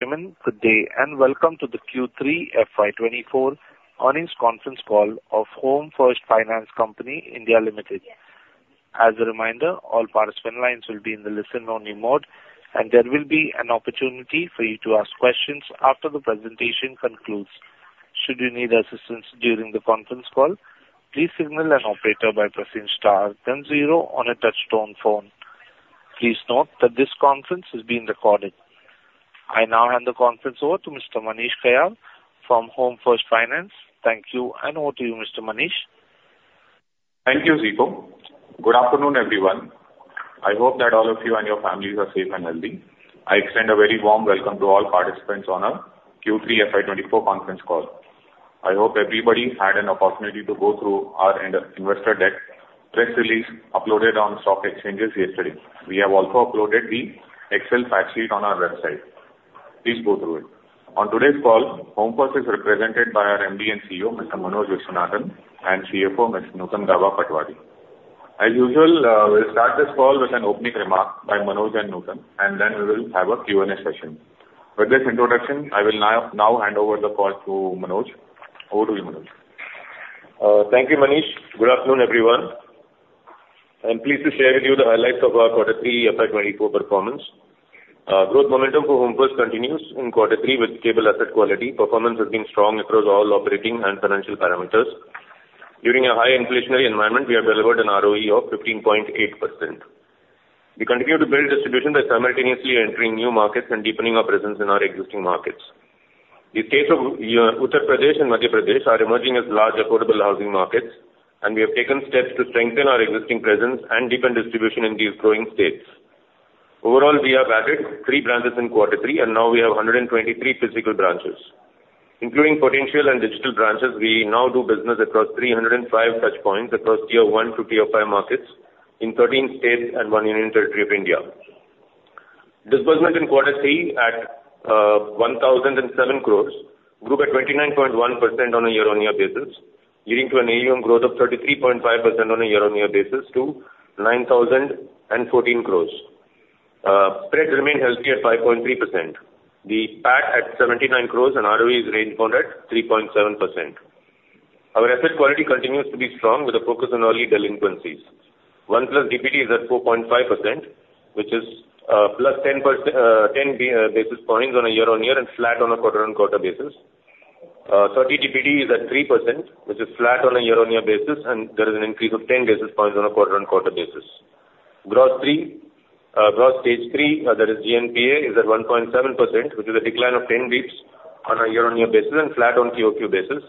Good day, and welcome to the Q3 FY24 Earnings Conference Call of Home First Finance Company India Limited. As a reminder, all participant lines will be in the listen-only mode, and there will be an opportunity for you to ask questions after the presentation concludes. Should you need assistance during the conference call, please signal an operator by pressing star then zero on a touchtone phone. Please note that this conference is being recorded. I now hand the conference over to Mr. Manish Kayal from Home First Finance. Thank you, and over to you, Mr. Manish. Thank you, Rico. Good afternoon, everyone. I hope that all of you and your families are safe and healthy. I extend a very warm welcome to all participants on our Q3 FY24 conference call. I hope everybody had an opportunity to go through our investor deck press release uploaded on stock exchanges yesterday. We have also uploaded the Excel fact sheet on our website. Please go through it. On today's call, Home First is represented by our MD and CEO, Mr. Manoj Viswanathan, and CFO, Mr. Nutan Gaba Patwari. As usual, we'll start this call with an opening remark by Manoj and Nutan, and then we will have a Q&A session. With this introduction, I will now hand over the call to Manoj. Over to you, Manoj. Thank you, Manish. Good afternoon, everyone. I'm pleased to share with you the highlights of our quarter 3 FY 2024 performance. Growth momentum for Home First continues in quarter 3 with stable asset quality. Performance has been strong across all operating and financial parameters. During a high inflationary environment, we have delivered an ROE of 15.8%. We continue to build distribution by simultaneously entering new markets and deepening our presence in our existing markets. The states of Uttar Pradesh and Madhya Pradesh are emerging as large affordable housing markets, and we have taken steps to strengthen our existing presence and deepen distribution in these growing states. Overall, we have added three branches in quarter 3, and now we have 123 physical branches. Including potential and digital branches, we now do business across 305 touchpoints across tier 1 to tier 5 markets in 13 states and one union territory of India. Disbursement in quarter three at 1,007 crore grew by 29.1% on a year-over-year basis, leading to an AUM growth of 33.5% on a year-over-year basis to 9,014 crore. Spreads remain healthy at 5.3%. The PAT at 79 crore and ROE is maintained at 3.7%. Our asset quality continues to be strong, with a focus on early delinquencies. 1+ DPD is at 4.5%, which is +10 basis points on a year-over-year basis and flat on a quarter-over-quarter basis. 30 DPD is at 3%, which is flat on a year-on-year basis, and there is an increase of 10 basis points on a quarter-on-quarter basis. Gross stage three, that is GNPA, is at 1.7%, which is a decline of 10 basis points on a year-on-year basis and flat on QOQ basis.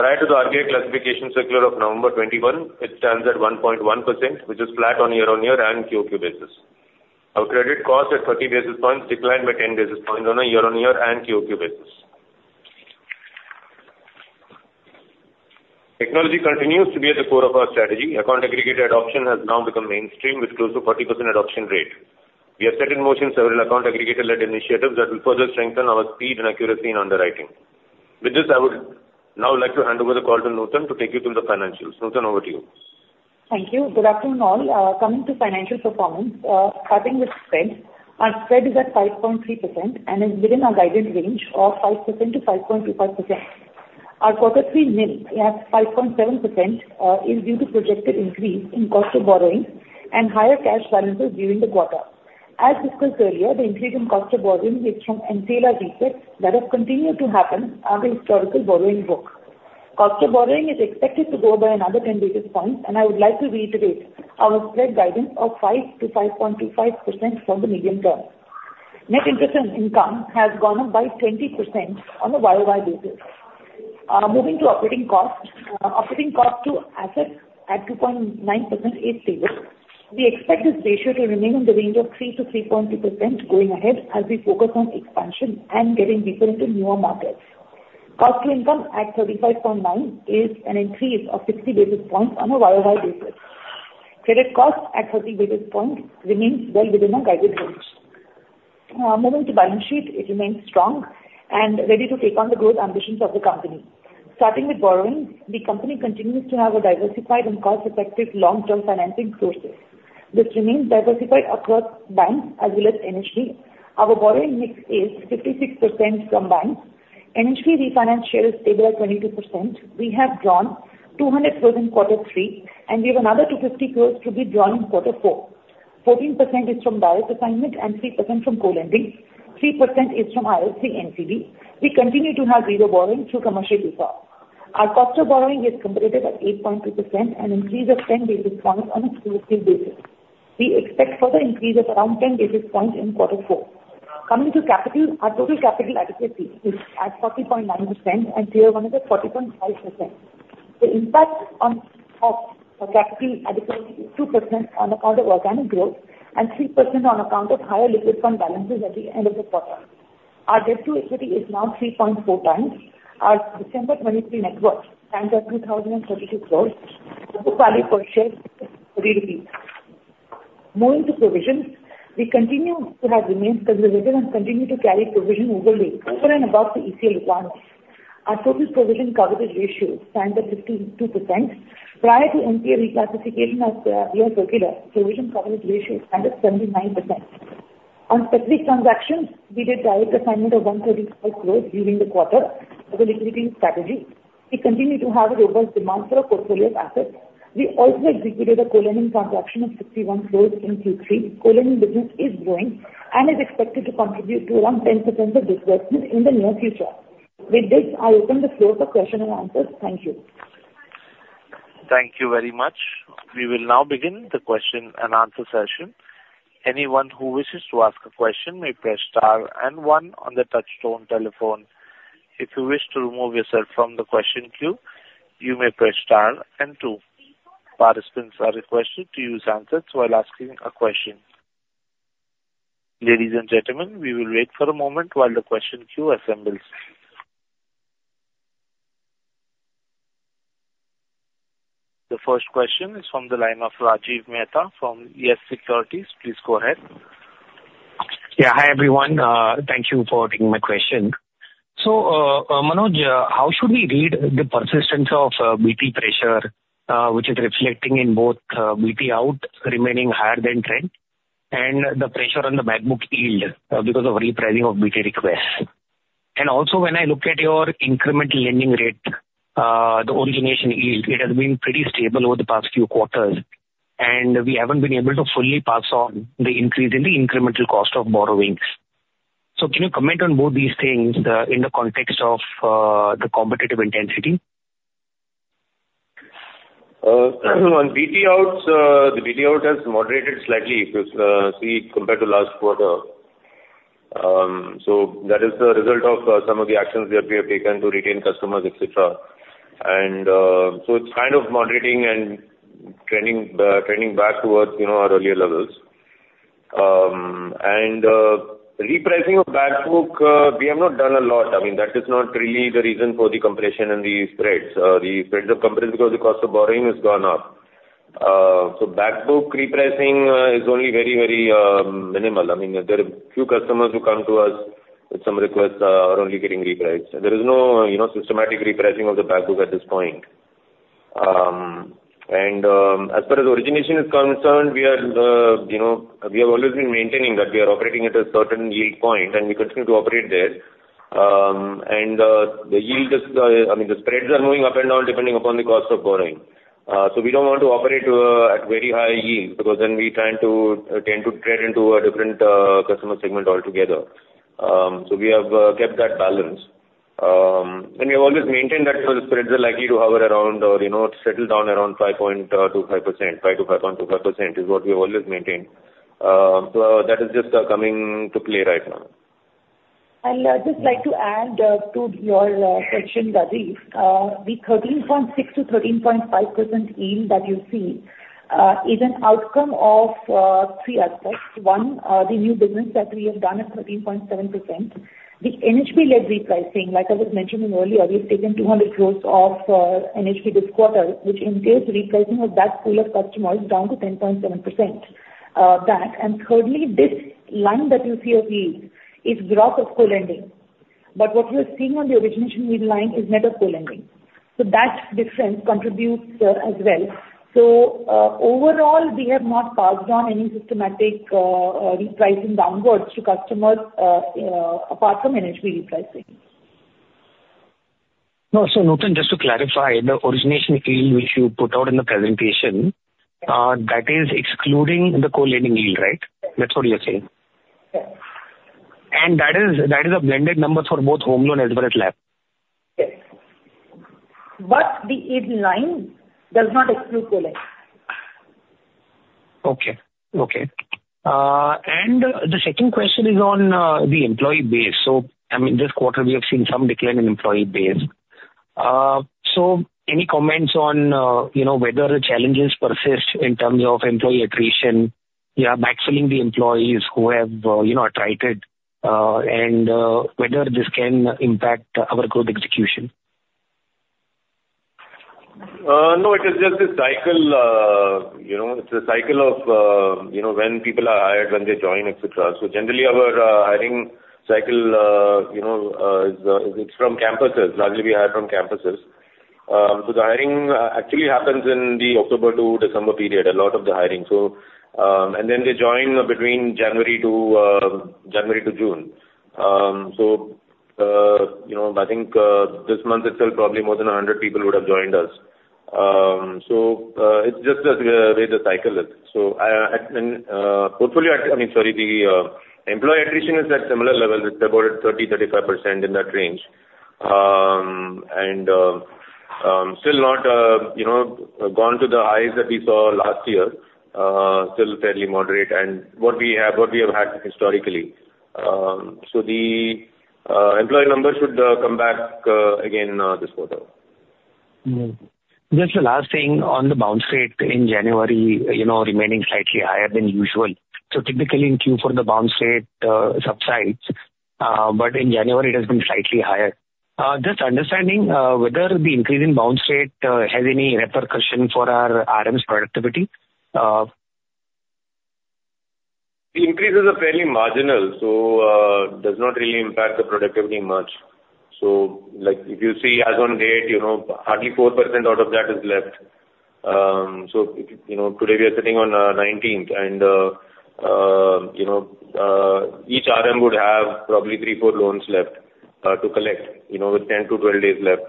Prior to the RBI classification circular of November 2021, it stands at 1.1%, which is flat on year-on-year and QOQ basis. Our credit cost at 30 basis points, declined by 10 basis points on a year-on-year and QOQ basis. Technology continues to be at the core of our strategy. Account aggregator adoption has now become mainstream, with close to 40% adoption rate. We have set in motion several account aggregator-led initiatives that will further strengthen our speed and accuracy in underwriting. With this, I would now like to hand over the call to Nutan to take you through the financials. Nutan, over to you. Thank you. Good afternoon, all. Coming to financial performance, starting with spread. Our spread is at 5.3% and is within our guidance range of 5%-5.25%. Our quarter three NIM at 5.7%, is due to projected increase in cost of borrowing and higher cash balances during the quarter. As discussed earlier, the increase in cost of borrowing is from NCD reset that has continued to happen on the historical borrowing book. Cost of borrowing is expected to go by another 10 basis points, and I would like to reiterate our spread guidance of 5%-5.25% for the medium term. Net interest and income has gone up by 20% on a YOY basis. Moving to operating cost. Operating cost to asset at 2.9% is stable. We expect this ratio to remain in the range of 3%-3.2% going ahead as we focus on expansion and getting deeper into newer markets. Cost to income at 35.9 is an increase of 60 basis points on a YOY basis. Moving to balance sheet, it remains strong and ready to take on the growth ambitions of the company. Starting with borrowing, the company continues to have a diversified and cost-effective long-term financing sources. This remains diversified across banks as well as NHB. Our borrowing mix is 56% from banks. NHB refinance share is stable at 22%. We have drawn 200 crore in quarter three, and we have another 250 crore to be drawn in quarter four. 14% is from direct assignment and 3% from co-lending. 3% is from IFC NCD. We continue to have 0 borrowing through commercial papers. Our cost of borrowing is competitive at 8.2%, an increase of 10 basis points on an exclusive basis. We expect further increase of around 10 basis points in quarter four. Coming to capital, our total capital adequacy is at 40.9%, and Tier 1 is at 40.5%. The impact of our capital adequacy is 2% on account of organic growth and 3% on account of higher liquid fund balances at the end of the quarter. Our debt to equity is now 3.4x. Our December 2023 net worth stands at 2,032 crore. Book value per share ₹3. Moving to provisions, we continue to have remained conservative and continue to carry provision over and above the ECL requirements. Our total provision coverage ratio stands at 52%, prior to NPA reclassification of IRAC circular, provision coverage ratio stands at 79%. On strategic transactions, we did direct assignment of 135 crore during the quarter of the liquidity strategy. We continue to have a robust demand for our portfolio of assets. We also executed a co-lending transaction of 61 crore in Q3. Co-lending business is growing and is expected to contribute to around 10% of disbursements in the near future. With this, I open the floor for question and answers. Thank you. Thank you very much. We will now begin the question and answer session. Anyone who wishes to ask a question may press star and one on the touchtone telephone. If you wish to remove yourself from the question queue, you may press star and two. Participants are requested to use handsets while asking a question. Ladies and gentlemen, we will wait for a moment while the question queue assembles. The first question is from the line of Rajiv Mehta from YES Securities. Please go ahead. Yeah. Hi, everyone. Thank you for taking my question. So, Manoj, how should we read the persistence of BT pressure, which is reflecting in both BT out remaining higher than trend and the pressure on the back book yield because of repricing of BT requests? And also when I look at your incremental lending rate, the origination yield, it has been pretty stable over the past few quarters, and we haven't been able to fully pass on the increase in the incremental cost of borrowings. So can you comment on both these things in the context of the competitive intensity? On BT outs, the BT out has moderated slightly because, compared to last quarter. So that is the result of some of the actions that we have taken to retain customers, et cetera. And so it's kind of moderating and trending, trending back towards, you know, our earlier levels. Repricing of back book, we have not done a lot. I mean, that is not really the reason for the compression and the spreads. The spreads have compressed because the cost of borrowing has gone up. So back book repricing is only very, very minimal. I mean, there are few customers who come to us with some requests are only getting repriced. There is no, you know, systematic repricing of the back book at this point. And, as far as origination is concerned, we are, you know, we have always been maintaining that we are operating at a certain yield point, and we continue to operate there. And, the yield is, I mean, the spreads are moving up and down, depending upon the cost of borrowing. So we don't want to operate at very high yields because then we tend to tend to tread into a different customer segment altogether. So we have kept that balance. And we have always maintained that the spreads are likely to hover around or, you know, settle down around 5.25%. 5%-5.25% is what we have always maintained. So that is just coming to play right now. I'd just like to add to your question, Rajiv. The 13.6%-13.5% yield that you see is an outcome of three aspects. One, the new business that we have done at 13.7%. The NHP-led repricing, like I was mentioning earlier, we've taken 200 crore off NHP this quarter, which entails repricing of that pool of customers down to 10.7% back. And thirdly, this line that you see of yields is growth of co-lending. But what you are seeing on the origination yield line is net of co-lending, so that difference contributes there as well. So, overall, we have not passed on any systematic repricing downwards to customers apart from NHB repricing. No, so Nutan, just to clarify, the origination yield which you put out in the presentation, that is excluding the co-lending yield, right? Yes. That's what you're saying. Yes. That is, that is a blended number for both home loan as well as LAP? Yes. But the yield line does not exclude co-lending. Okay. Okay. And the second question is on the employee base. So, I mean, this quarter we have seen some decline in employee base. So any comments on, you know, whether the challenges persist in terms of employee attrition, you are backfilling the employees who have, you know, attrited, and whether this can impact our growth execution? No, it is just a cycle, you know, it's a cycle of, you know, when people are hired, when they join, et cetera. So generally, our hiring cycle, you know, is from campuses. Largely we hire from campuses. So the hiring actually happens in the October to December period, a lot of the hiring. So, and then they join between January to June. So, you know, I think, this month itself, probably more than 100 people would have joined us. So, it's just that, the way the cycle is. So I, and, portfolio... I mean, sorry, the employee attrition is at similar levels. It's about 30-35%, in that range. Still not, you know, gone to the highs that we saw last year, still fairly moderate and what we have, what we have had historically. So the employee numbers should come back again this quarter. Mm-hmm. Just the last thing on the bounce rate in January, you know, remaining slightly higher than usual. So technically, in Q4 the bounce rate subsides, but in January it has been slightly higher. Just understanding whether the increase in bounce rate has any repercussion for our RMs productivity.... The increases are fairly marginal, so, does not really impact the productivity much. So, like, if you see as on date, you know, hardly 4% out of that is left. So, you know, today we are sitting on 19th and, you know, each RM would have probably 3-4 loans left to collect, you know, with 10-12 days left.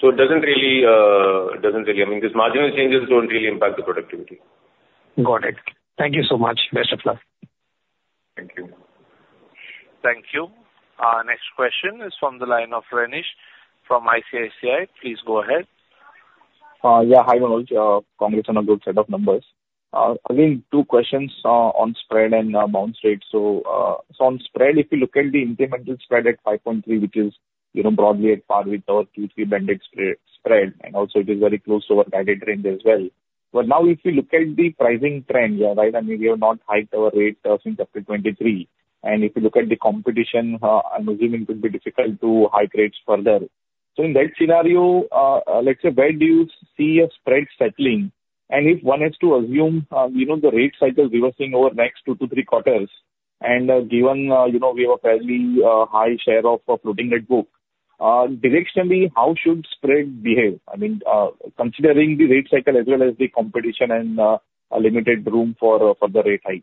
So it doesn't really, it doesn't really... I mean, these marginal changes don't really impact the productivity. Got it. Thank you so much. Best of luck. Thank you. Thank you. Our next question is from the line of Renish from ICICI. Please go ahead. Yeah, hi, Manoj. Congrats on a good set of numbers. Again, two questions on spread and bounce rate. So, on spread, if you look at the incremental spread at 5.3, which is, you know, broadly at par with our Q3 blended spread, and also it is very close to our guided range as well. But now if you look at the pricing trends, right, I mean, we have not hiked our rates since April 2023, and if you look at the competition, I'm assuming it will be difficult to hike rates further. So in that scenario, let's say, where do you see a spread settling? If one is to assume, you know, the rate cycle reversing over next 2-3 quarters, and, given, you know, we have a fairly high share of floating net book, directionally, how should spread behave? I mean, considering the rate cycle as well as the competition and, a limited room for, further rate hike?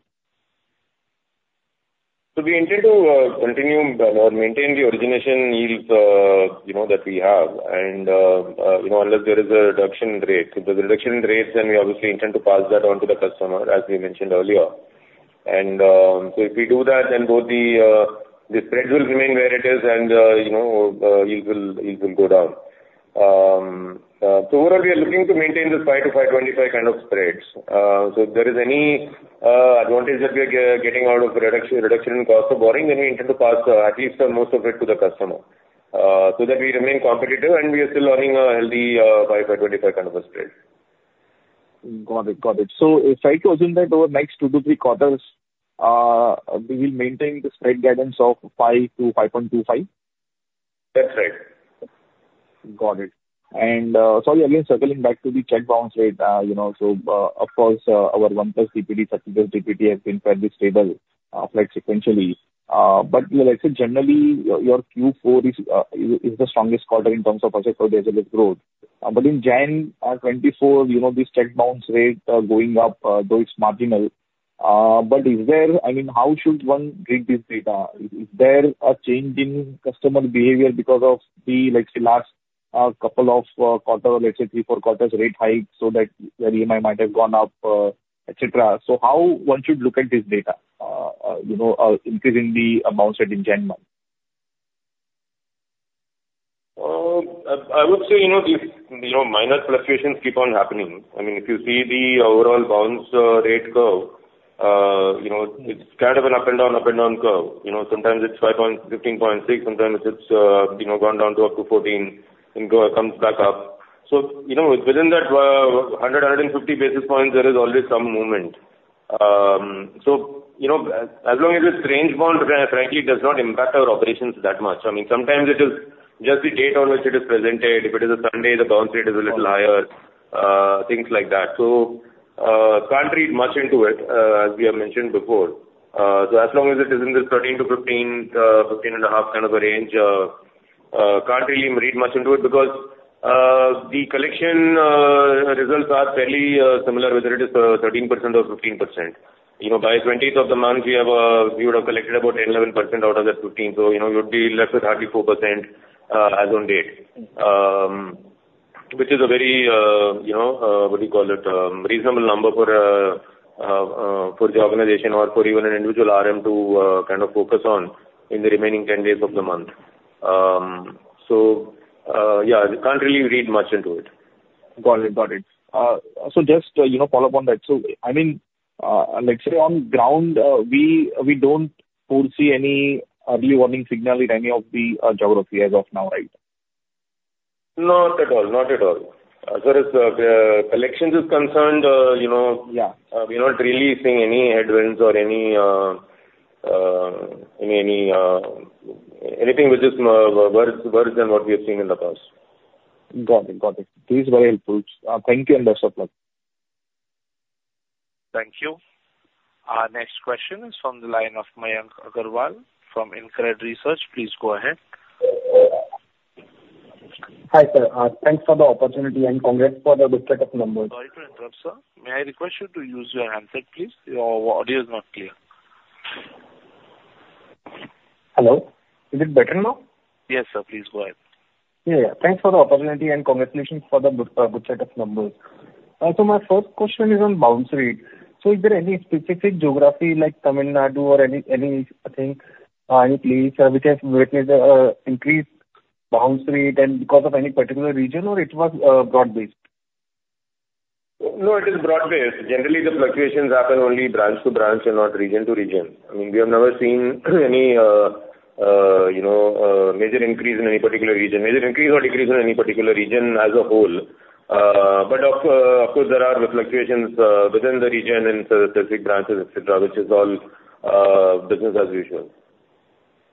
We intend to continue or maintain the origination yields, you know, that we have. You know unless there is a reduction in rate. If there's a reduction in rates, then we obviously intend to pass that on to the customer, as we mentioned earlier. So if we do that, then both the spread will remain where it is and, you know, yield will go down. So overall, we are looking to maintain this 5-5.25 kind of spreads. So if there is any advantage that we are getting out of reduction in cost of borrowing, then we intend to pass at least most of it to the customer so that we remain competitive and we are still earning a healthy 5-5.25 kind of a spread. Got it. Got it. So if I to assume that over the next 2 to 3 quarters, we will maintain the spread guidance of 5-5.25? That's right. Got it. And, sorry, again, circling back to the check bounce rate. You know, so, of course, our 1+ DPD, 30+ DPD, has been fairly stable, like, sequentially. But, you know, let's say generally, your Q4 is the strongest quarter in terms of asset for digital growth. But in January 2024, you know, the cheque bounce rate, going up, though it's marginal. But is there... I mean, how should one read this data? Is there a change in customer behavior because of the, let's say, last, couple of, quarter, let's say 3-4 quarters rate hike, so that their EMI might have gone up, et cetera. So how one should look at this data? You know, increase in the bounce rate in January month. I would say, you know, these, you know, minor fluctuations keep on happening. I mean, if you see the overall bounce rate curve, you know, it's kind of an up and down, up and down curve. You know, sometimes it's 5.15, 6, sometimes it's, you know, gone down to up to 14 and comes back up. So, you know, within that, 150 basis points, there is always some movement. So, you know, as long as it's range bound, frankly, it does not impact our operations that much. I mean, sometimes it is just the date on which it is presented. If it is a Sunday, the bounce rate is a little higher, things like that. So, can't read much into it, as we have mentioned before. So as long as it is in this 13-15, 15.5 kind of a range, can't really read much into it because, the collection results are fairly similar, whether it is, 13% or 15%. You know, by 20th of the month, we have, we would have collected about 11% out of that 15. So, you know, you'd be left with hardly 4%, as on date, which is a very, you know, what do you call it? reasonable number for, for the organization or for even an individual RM to, kind of focus on in the remaining 10 days of the month. So, yeah, you can't really read much into it. Got it. Got it. So just, you know, follow up on that. So, I mean, let's say on ground, we, we don't foresee any early warning signal in any of the geographies as of now, right? Not at all. Not at all. As far as the elections is concerned, you know- Yeah. We're not really seeing any headwinds or anything which is worse than what we have seen in the past. Got it. Got it. This is very helpful. Thank you, and best of luck. Thank you. Our next question is from the line of Mayank Agarwal from InCred Research. Please go ahead. Hi, sir. Thanks for the opportunity, and congrats for the good set of numbers. Sorry to interrupt, sir. May I request you to use your handset, please? Your audio is not clear. Hello, is it better now? Yes, sir. Please go ahead. Yeah. Thanks for the opportunity and congratulations for the good set of numbers. So my first question is on bounce rate. So is there any specific geography like Tamil Nadu or any, I think, any place which has witnessed an increased bounce rate and because of any particular region, or it was broad-based? No, it is broad-based. Generally, the fluctuations happen only branch to branch and not region to region. I mean, we have never seen any, you know, major increase in any particular region. Major increase or decrease in any particular region as a whole. But of course, there are fluctuations within the region, in specific branches, et cetera, which is all business as usual....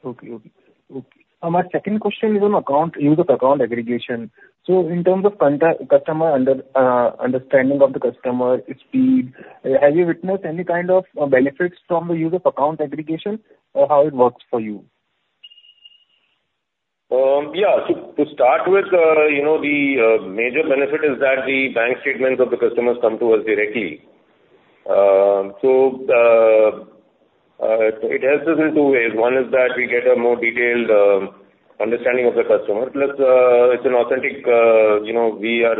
Okay, okay, okay. My second question is on the use of account aggregation. So in terms of customer underwriting, understanding of the customer, its speed, have you witnessed any kind of benefits from the use of account aggregation, or how it works for you? Yeah. So to start with, you know, the major benefit is that the bank statements of the customers come to us directly. So, it helps us in two ways. One is that we get a more detailed understanding of the customer, plus, it's an authentic, you know, we are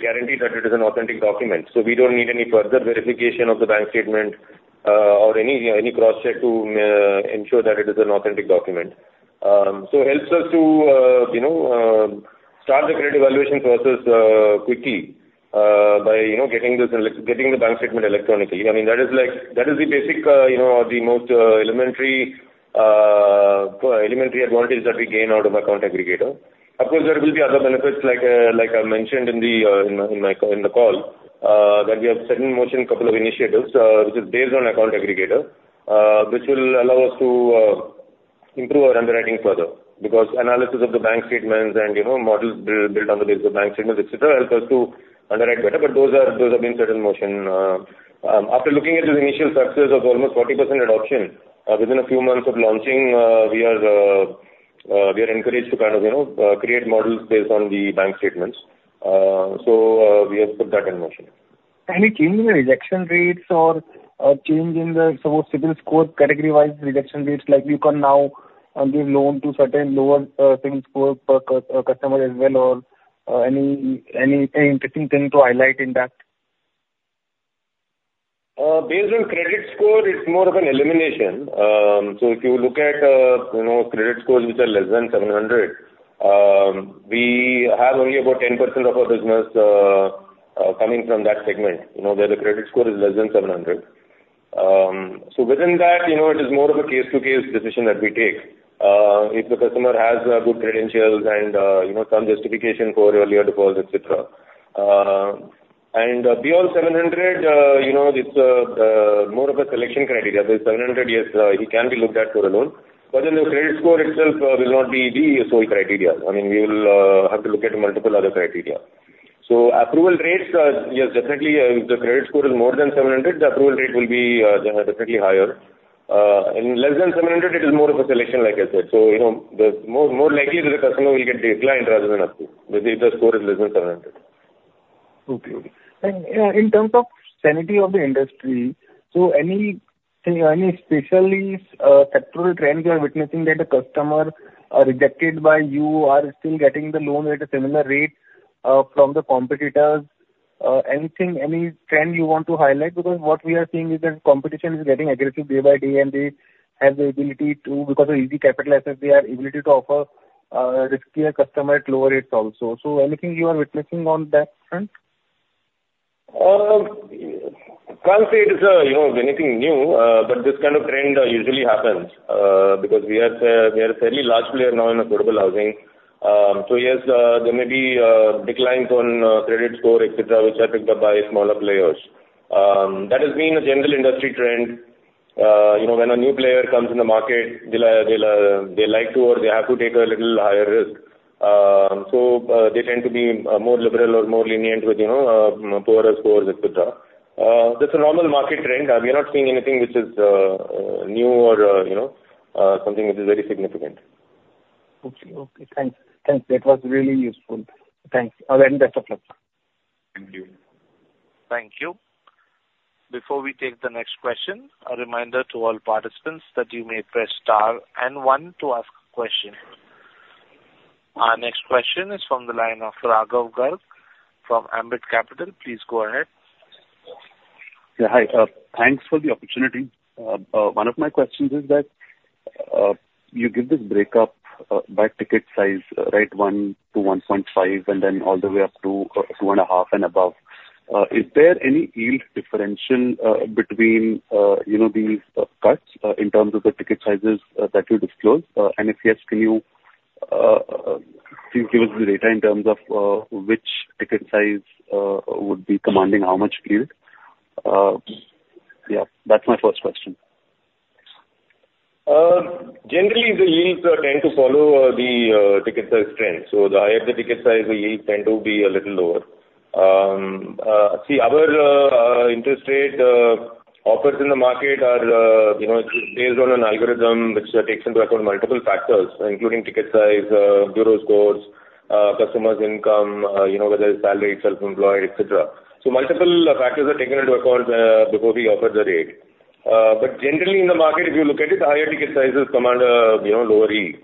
guaranteed that it is an authentic document. So we don't need any further verification of the bank statement, or any cross-check to ensure that it is an authentic document. So helps us to, you know, start the credit evaluation process quickly, by, you know, getting this, getting the bank statement electronically. I mean, that is like, that is the basic, you know, the most elementary advantages that we gain out of Account Aggregator. Of course, there will be other benefits like, like I mentioned in the, in the, in the call, that we have set in motion a couple of initiatives, which is based on Account Aggregator, which will allow us to, improve our underwriting further. Because analysis of the bank statements and, you know, models built on the base of bank statements, et cetera, help us to underwrite better, but those are, those are being set in motion. After looking at the initial success of almost 40% adoption, within a few months of launching, we are, we are encouraged to kind of, you know, create models based on the bank statements. So, we have put that in motion. Any change in the rejection rates or change in the, suppose, CIBIL Score category-wise rejection rates, like you can now give loan to certain lower CIBIL Score per customer as well, or any interesting thing to highlight in that? Based on credit score, it's more of an elimination. So if you look at, you know, credit scores which are less than 700, we have only about 10% of our business, coming from that segment, you know, where the credit score is less than 700. So within that, you know, it is more of a case-by-case decision that we take. If the customer has, good credentials and, you know, some justification for earlier defaults, et cetera. And beyond 700, you know, it's more of a selection criteria. If it's 700, yes, he can be looked at for a loan, but then the credit score itself, will not be the sole criteria. I mean, we will have to look at multiple other criteria. So approval rates are, yes, definitely, if the credit score is more than 700, the approval rate will be, definitely higher. In less than 700, it is more of a selection, like I said. So, you know, the more, more likely that the customer will get declined rather than approved, if the score is less than 700. Okay, okay. And in terms of sanity of the industry, so any, any especially, sectoral trends you are witnessing that the customer are rejected by you are still getting the loan at a similar rate from the competitors? Anything, any trend you want to highlight? Because what we are seeing is that competition is getting aggressive day by day, and they have the ability to... because of easy capital access, they have ability to offer riskier customer at lower rates also. So anything you are witnessing on that front? Can't say it is, you know, anything new, but this kind of trend usually happens because we are a, we are a fairly large player now in affordable housing. So, yes, there may be declines on credit score, et cetera, which are picked up by smaller players. That has been a general industry trend. You know, when a new player comes in the market, they'll, they'll, they like to or they have to take a little higher risk. So, they tend to be more liberal or more lenient with, you know, poorer scores, et cetera. That's a normal market trend. We are not seeing anything which is new or, you know, something which is very significant. Okay, okay. Thanks. Thanks, that was really useful. Thanks. Then best of luck. Thank you. Thank you. Before we take the next question, a reminder to all participants that you may press star and one to ask a question. Our next question is from the line of Raghav Garg from Ambit Capital. Please go ahead. Yeah, hi. Thanks for the opportunity. One of my questions is that you give this breakup by ticket size, right? 1-1.5, and then all the way up to 2.5 and above. Is there any yield differential between you know, these cuts in terms of the ticket sizes that you disclosed? And if yes, can you please give us the data in terms of which ticket size would be commanding how much yield? Yeah, that's my first question. Generally, the yields tend to follow the ticket size trend. So the higher the ticket size, the yields tend to be a little lower. See, our interest rate offers in the market are, you know, based on an algorithm which takes into account multiple factors, including ticket size, bureau scores, customers' income, you know, whether it's salary, self-employed, et cetera. So multiple factors are taken into account before we offer the rate. But generally in the market, if you look at it, the higher ticket sizes command, you know, lower yield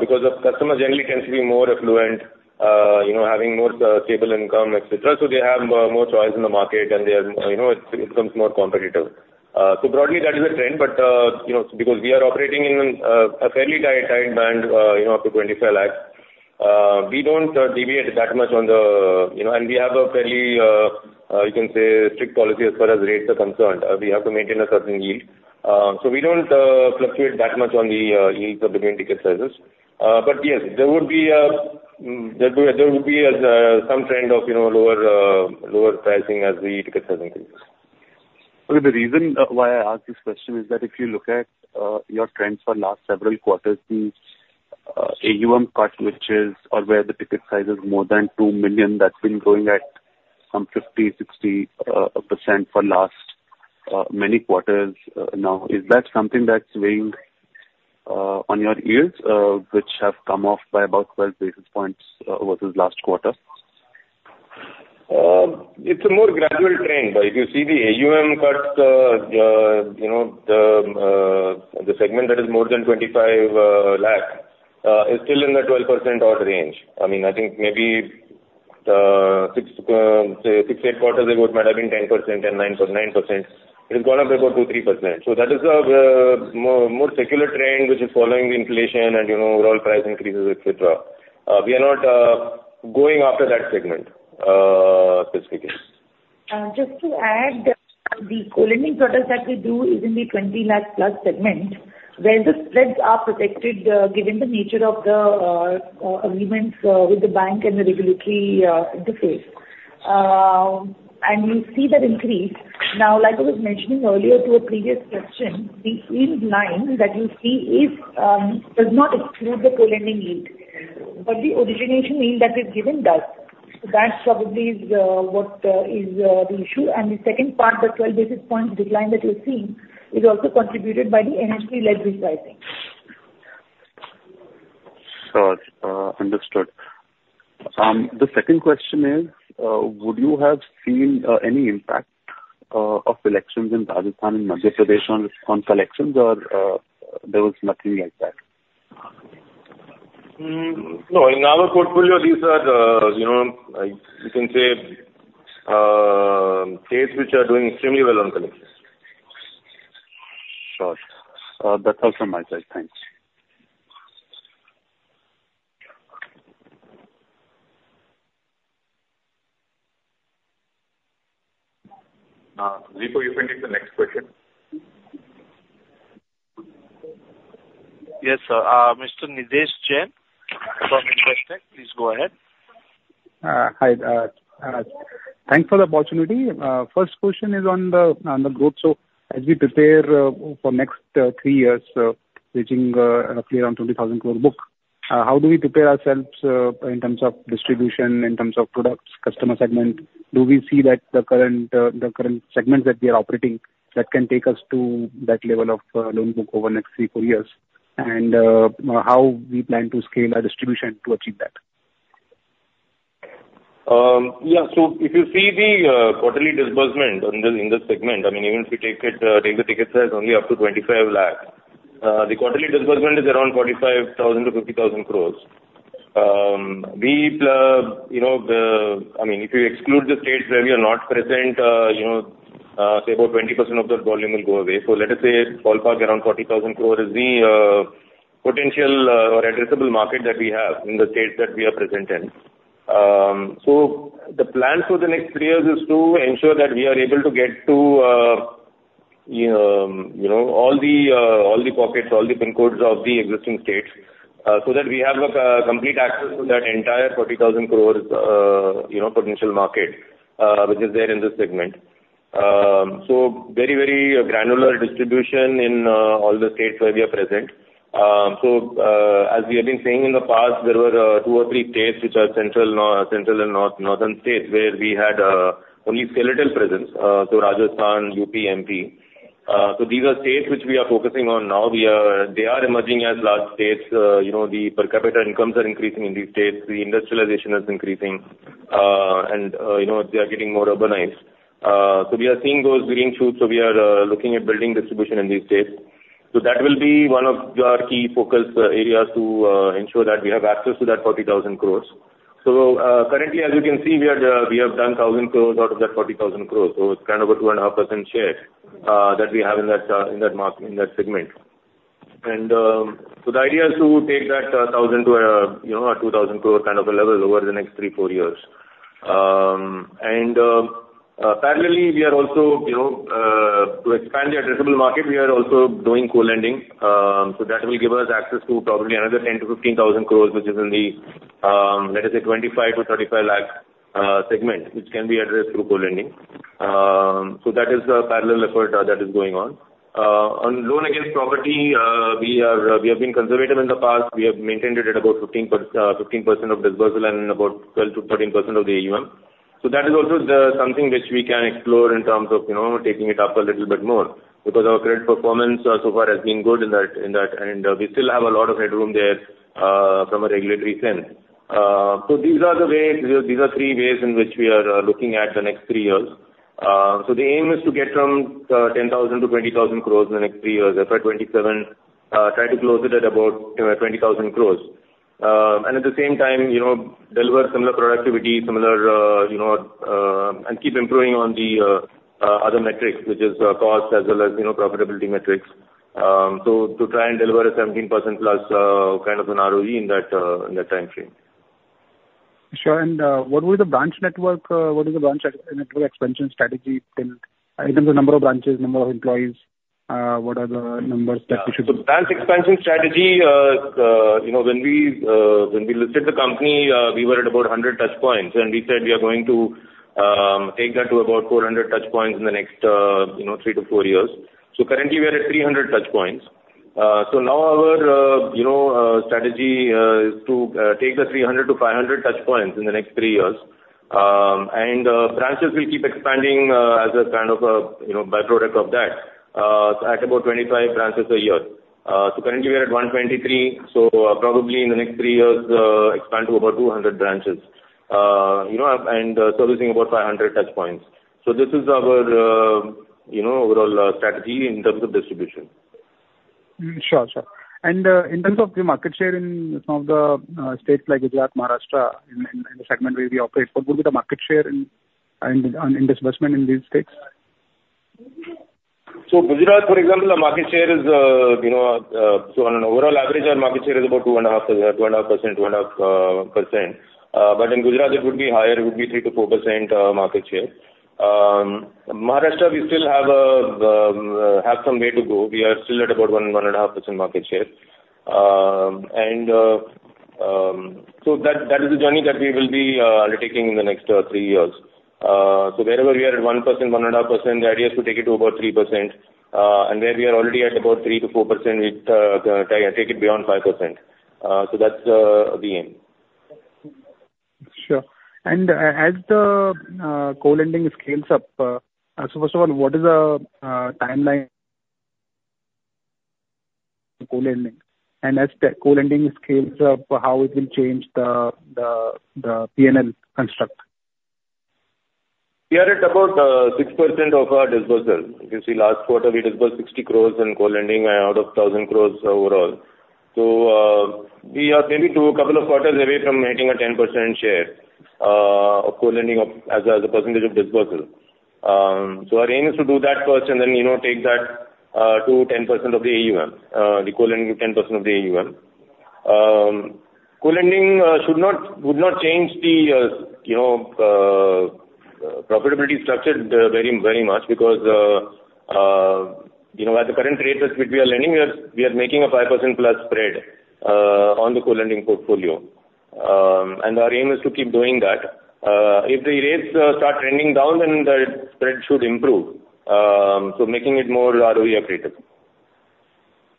because the customers generally tends to be more affluent, you know, having more stable income, et cetera. So they have more choice in the market and they are, you know, it becomes more competitive. So broadly, that is the trend, but, you know, because we are operating in a fairly tight, tight band, you know, up to 25 lakh, we don't deviate that much on the... you know, and we have a fairly, you can say, strict policy as far as rates are concerned. We have to maintain a certain yield. So we don't fluctuate that much on the yields between ticket sizes. But yes, there would be a some trend of, you know, lower pricing as the ticket sizing increases.... So the reason why I ask this question is that if you look at your trends for last several quarters, the AUM cut, which is or where the ticket size is more than 2 million, that's been growing at some 50%-60% for last many quarters. Now, is that something that's weighing on your yields, which have come off by about 12 basis points versus last quarter? It's a more gradual trend, but if you see the AUM cuts, you know, the segment that is more than 25 lakh is still in the 12% odd range. I mean, I think maybe six, say 6-8 quarters ago it might have been 10% and 9%. It has gone up about 2-3%. So that is a more secular trend, which is following the inflation and, you know, overall price increases, et cetera. We are not going after that segment specifically. Just to add, the co-lending products that we do is in the 20 lakh plus segment, where the spreads are protected, given the nature of the agreements with the bank and the regulatory interface. And you see that increase. Now, like I was mentioning earlier to a previous question, the yield 9 that you see is does not exclude the co-lending yield, but the origination yield that is given does. So that probably is the issue. And the second part, the 12 basis point decline that you're seeing, is also contributed by the NHB led refinancing. Sure. Understood. The second question is, would you have seen any impact of elections in Rajasthan and Madhya Pradesh on collections or there was nothing like that? No, in our portfolio, these are, you know, you can say, states which are doing extremely well on collections. Sure. That's all from my side. Thanks. Ripo, you can take the next question. Yes, sir. Mr. Nidesh Jain from Investec, please go ahead. Hi. Thanks for the opportunity. First question is on the growth. So as we prepare for the next 3 years, reaching 20,000 crore book, how do we prepare ourselves in terms of distribution, in terms of products, customer segment? Do we see that the current segments that we are operating can take us to that level of loan book over the next 3-4 years? And how we plan to scale our distribution to achieve that? Yeah, so if you see the quarterly disbursement in this segment, I mean, even if you take it, take the ticket size only up to 25 lakh, the quarterly disbursement is around 45,000-50,000 crore. We, you know, the... I mean, if you exclude the states where we are not present, you know, say about 20% of the volume will go away. So let us say ballpark around 40,000 crore is the potential or addressable market that we have in the states that we are present in. So the plan for the next three years is to ensure that we are able to get to, you know, all the pockets, all the pin codes of the existing states, so that we have a complete access to that entire 40,000 crore potential market, you know, which is there in this segment. So very, very granular distribution in all the states where we are present. So, as we have been saying in the past, there were two or three states which are central nor- central and northern states, where we had only skeletal presence, so Rajasthan, UP, MP. So these are states which we are focusing on now. They are emerging as large states. You know, the per capita incomes are increasing in these states. The industrialization is increasing, and, you know, they are getting more urbanized. So we are seeing those green shoots, so we are looking at building distribution in these states. So that will be one of our key focus areas to ensure that we have access to that 40,000 crore. So, currently, as you can see, we are, we have done 1,000 crore out of that 40,000 crore. So it's kind of a 2.5% share that we have in that, in that market, in that segment. And, so the idea is to take that, 1,000 to, you know, a 2,000 crore kind of a level over the next 3-4 years. Parallelly, we are also, you know, to expand the addressable market, we are also doing co-lending. So that will give us access to probably another 10,000-15,000 crore, which is in the, let us say, 25-35 lakh segment, which can be addressed through co-lending. So that is a parallel effort that is going on. On loan against property, we have been conservative in the past. We have maintained it at about 15% of disbursal and about 12%-13% of the AUM. So that is also something which we can explore in terms of, you know, taking it up a little bit more, because our credit performance so far has been good in that, in that. We still have a lot of headroom there, from a regulatory sense. So these are the ways, these are three ways in which we are looking at the next three years. So the aim is to get from 10,000 crore to 20,000 crore in the next three years. FY 2027, try to close it at about, you know, 20,000 crore. And at the same time, you know, deliver similar productivity, similar, you know, and keep improving on the other metrics, which is cost as well as, you know, profitability metrics. So to try and deliver a 17%+ kind of an ROE in that, in that time frame. Sure. And, what will the branch network, what is the branch network expansion strategy in terms of number of branches, number of employees?... what are the numbers that we should- The branch expansion strategy, you know, when we listed the company, we were at about 100 touchpoints, and we said we are going to take that to about 400 touchpoints in the next, you know, 3-4 years. So currently, we are at 300 touchpoints. So now our, you know, strategy is to take the 300 to 500 touchpoints in the next three years. And branches will keep expanding as a kind of a, you know, by-product of that at about 25 branches a year. So currently we are at 123, so probably in the next three years expand to over 200 branches. You know, and servicing about 500 touchpoints. This is our, you know, overall strategy in terms of distribution. Sure, sure. And in terms of the market share in some of the states like Gujarat, Maharashtra, in the segment where we operate, what would be the market share and in disbursement in these states? So Gujarat, for example, the market share is, you know, so on an overall average, our market share is about 2.5%, 2.5%, but in Gujarat it would be higher, it would be 3%-4%, market share. Maharashtra, we still have, have some way to go. We are still at about 1%, 1.5% market share. And, so that, that is a journey that we will be, undertaking in the next, three years. So wherever we are at 1%, 1.5%, the idea is to take it to about 3%, and where we are already at about 3%-4%, it, take it beyond 5%. So that's, the aim. Sure. And as the co-lending scales up, so first of all, what is the timeline co-lending? And as the co-lending scales up, how it will change the PNL construct? We are at about 6% of our disbursal. If you see last quarter, we disbursed 60 crore in co-lending out of 1,000 crore overall. So, we are maybe two, a couple of quarters away from hitting a 10% share of co-lending as a percentage of disbursal. So our aim is to do that first and then, you know, take that to 10% of the AUM, the co-lending 10% of the AUM. Co-lending should not, would not change the, you know, profitability structure very, very much because, you know, at the current rates at which we are lending, we are making a 5% plus spread on the co-lending portfolio. And our aim is to keep doing that. If the rates start trending down, then the spread should improve, so making it more ROE accretive.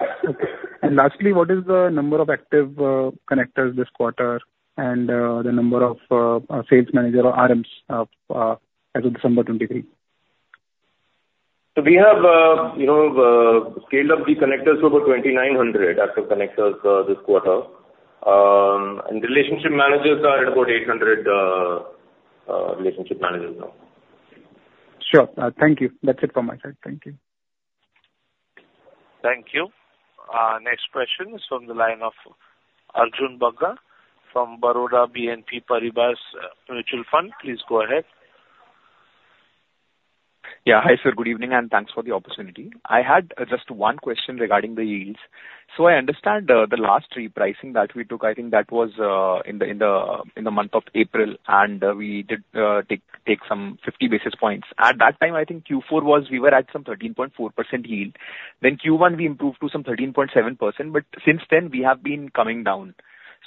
Okay. Lastly, what is the number of active connectors this quarter, and the number of sales manager or RMs as of December 2023? So we have, you know, scaled up the connectors to about 2,900 active connectors this quarter. And relationship managers are at about 800 relationship managers now. Sure. Thank you. That's it from my side. Thank you. Thank you. Next question is from the line of Arjun Bagga from Baroda BNP Paribas Mutual Fund. Please go ahead. Yeah. Hi, sir, good evening, and thanks for the opportunity. I had just one question regarding the yields. So I understand the last repricing that we took. I think that was in the month of April, and we did take some 50 basis points. At that time, I think Q4 was we were at some 13.4% yield. Then Q1, we improved to some 13.7%, but since then we have been coming down.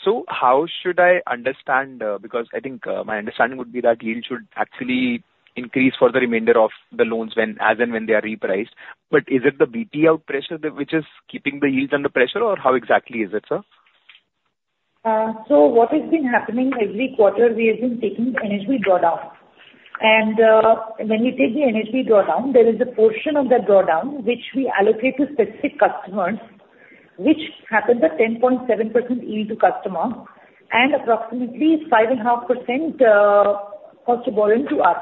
So how should I understand, because I think my understanding would be that yield should actually increase for the remainder of the loans when, as and when they are repriced. But is it the BT out pressure that which is keeping the yield under pressure, or how exactly is it, sir? So what has been happening, every quarter we have been taking the NHB drawdown. And, when we take the NHB drawdown, there is a portion of that drawdown which we allocate to specific customers, which happens at 10.7% yield to customer and approximately 5.5% cost of borrowing to us.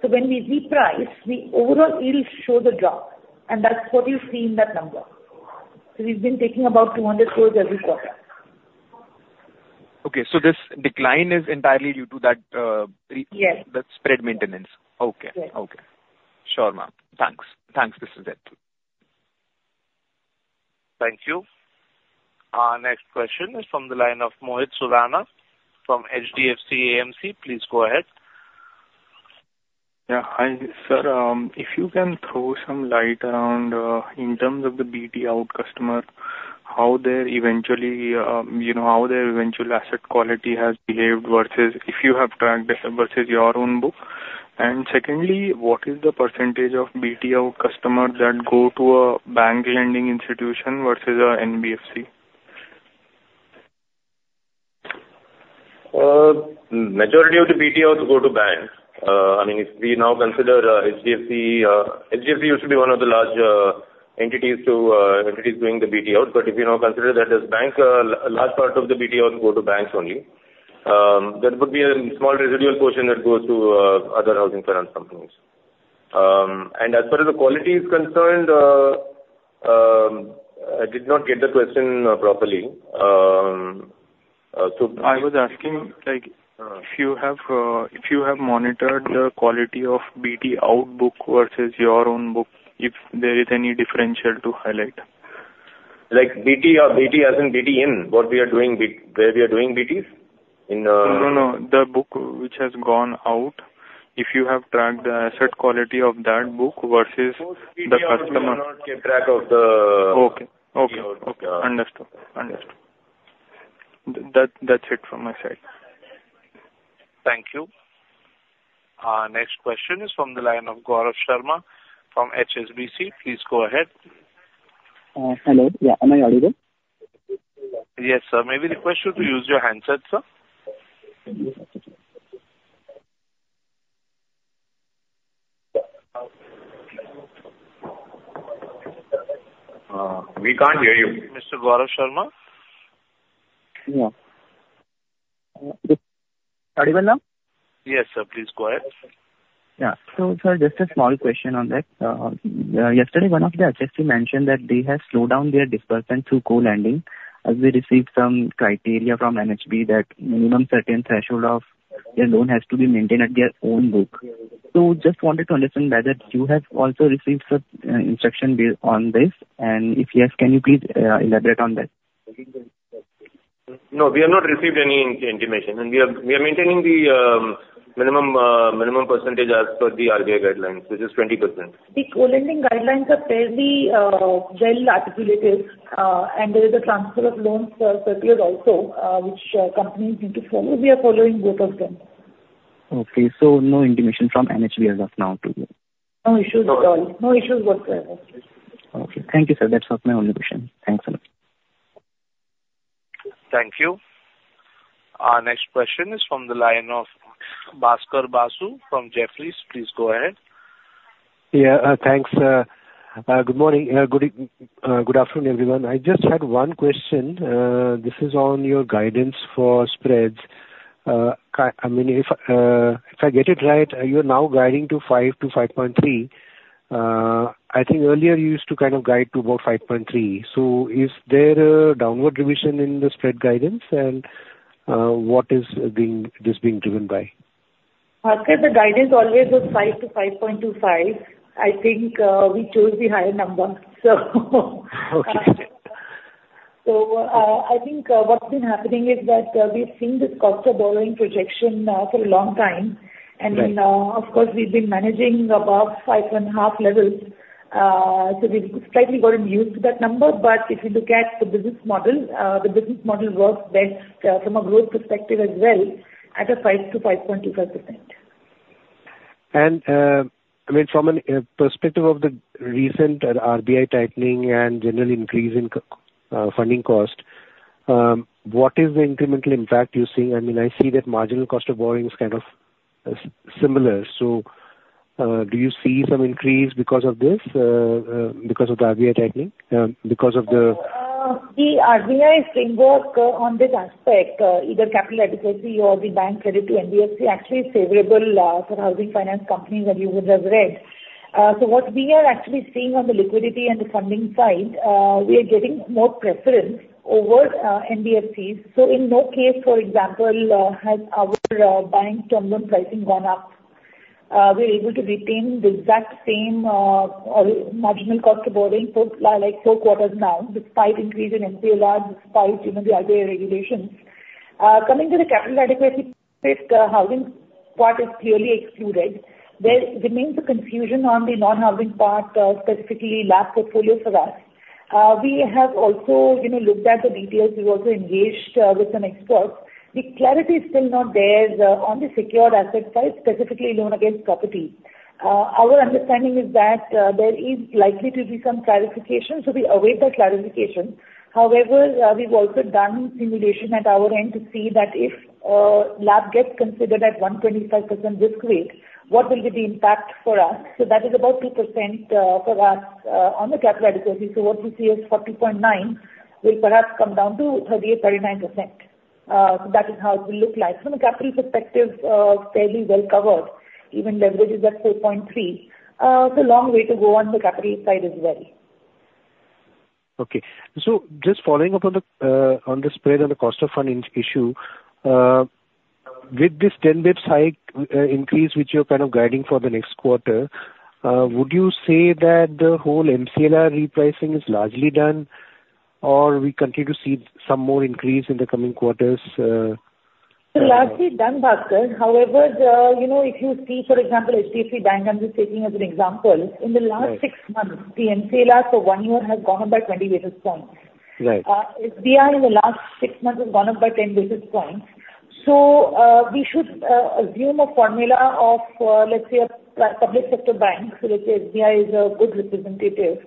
So when we reprice, the overall yield show the drop, and that's what you see in that number. So we've been taking about 200 crore every quarter. Okay. So this decline is entirely due to that. Yes. that spread maintenance. Okay. Yes. Okay. Sure, ma'am. Thanks. Thanks, this is it. Thank you. Next question is from the line of Mohit Surana from HDFC AMC. Please go ahead. Yeah. Hi, sir. If you can throw some light around, in terms of the BT out customer, how they eventually, you know, how their eventual asset quality has behaved versus if you have tracked this versus your own book. And secondly, what is the percentage of BT out customers that go to a bank lending institution versus a NBFC? Majority of the BT outs go to banks. I mean, if we now consider HDFC, HDFC used to be one of the large entities doing the BT out, but if you now consider that as banks, a large part of the BT outs go to banks only. There could be a small residual portion that goes to other housing finance companies. And as far as the quality is concerned, I did not get the question properly. So- I was asking, like, if you have monitored the quality of BT out book versus your own book, if there is any differential to highlight?... like DA or DA as in DA team, what we are doing, where we are doing DAs? In, No, no, the book which has gone out, if you have tracked the asset quality of that book versus the customer. Keep track of the- Okay. Okay, okay. Understood. Understood. That, that's it from my side. Thank you. Our next question is from the line of Gaurav Sharma from HSBC. Please go ahead. Hello. Yeah, am I audible? Yes, sir. May we request you to use your handset, sir? We can't hear you, Mr. Gaurav Sharma. Yeah. Audible now? Yes, sir. Please go ahead. Yeah. So, sir, just a small question on that. Yesterday, one of the HFC mentioned that they have slowed down their disbursement through co-lending, as they received some criteria from NHB that minimum certain threshold of their loan has to be maintained at their own book. So just wanted to understand whether you have also received some instruction based on this, and if yes, can you please elaborate on that? No, we have not received any intimation, and we are maintaining the minimum percentage as per the RBI guidelines, which is 20%. The co-lending guidelines are fairly well articulated, and there is a transfer of loans circular also, which companies need to follow. We are following both of them. Okay. So no intimation from NHB as of now to you? No issues at all. No issues whatsoever. Okay. Thank you, sir. That was my only question. Thanks a lot. Thank you. Our next question is from the line of Bhaskar Basu from Jefferies. Please go ahead. Yeah, thanks, good morning, good afternoon, everyone. I just had one question. This is on your guidance for spreads. I mean, if I get it right, you are now guiding to 5-5.3. I think earlier you used to kind of guide to about 5.3. So is there a downward revision in the spread guidance? And what is this being driven by? Bhaskar, the guidance always was 5-5.25. I think, we chose the higher number, so Okay. So, I think, what's been happening is that, we've seen this cost of borrowing projection, for a long time. Right. And then, of course, we've been managing above 5.5 levels. So we've slightly gotten used to that number. But if you look at the business model, the business model works best, from a growth perspective as well, at a 5%-5.25%. I mean, from a perspective of the recent RBI tightening and general increase in funding cost, what is the incremental impact you're seeing? I mean, I see that marginal cost of borrowing is kind of similar. So, do you see some increase because of this? Because of the RBI tightening, because of the- The RBI framework on this aspect, either capital adequacy or the bank credit to NBFC, actually is favorable for housing finance companies that you would have read. So what we are actually seeing on the liquidity and the funding side, we are getting more preference over NBFCs. So in no case, for example, has our bank term loan pricing gone up. We're able to retain the exact same marginal cost of borrowing for, like, four quarters now, despite increase in MCLR, despite, you know, the RBI regulations. Coming to the capital adequacy risk, housing part is clearly excluded. There remains a confusion on the non-housing part, specifically LAP portfolio for us. We have also, you know, looked at the details. We've also engaged with some experts. The clarity is still not there on the secured asset side, specifically Loan Against Property. Our understanding is that there is likely to be some clarification, so we await that clarification. However, we've also done simulation at our end to see that if LAP gets considered at 125% risk weight, what will be the impact for us? So that is about 2% for us on the capital adequacy. So what we see is 40.9, will perhaps come down to 39%. So that is how it will look like. From a capital perspective, fairly well covered. Even leverage is at 4.3. It's a long way to go on the capital side as well. Okay. So just following up on the, on the spread on the cost of funding issue, with this 10 basis high, increase, which you're kind of guiding for the next quarter, would you say that the whole MCLR repricing is largely done, or we continue to see some more increase in the coming quarters...? So largely done, Bhaskar. However, you know, if you see, for example, HDFC Bank, I'm just taking as an example, in the last six months- Right. The MCLR for 1 year has gone up by 20 basis points. Right. SBI in the last six months has gone up by 10 basis points. So, we should assume a formula of, let's say a public sector bank, so let's say SBI is a good representative.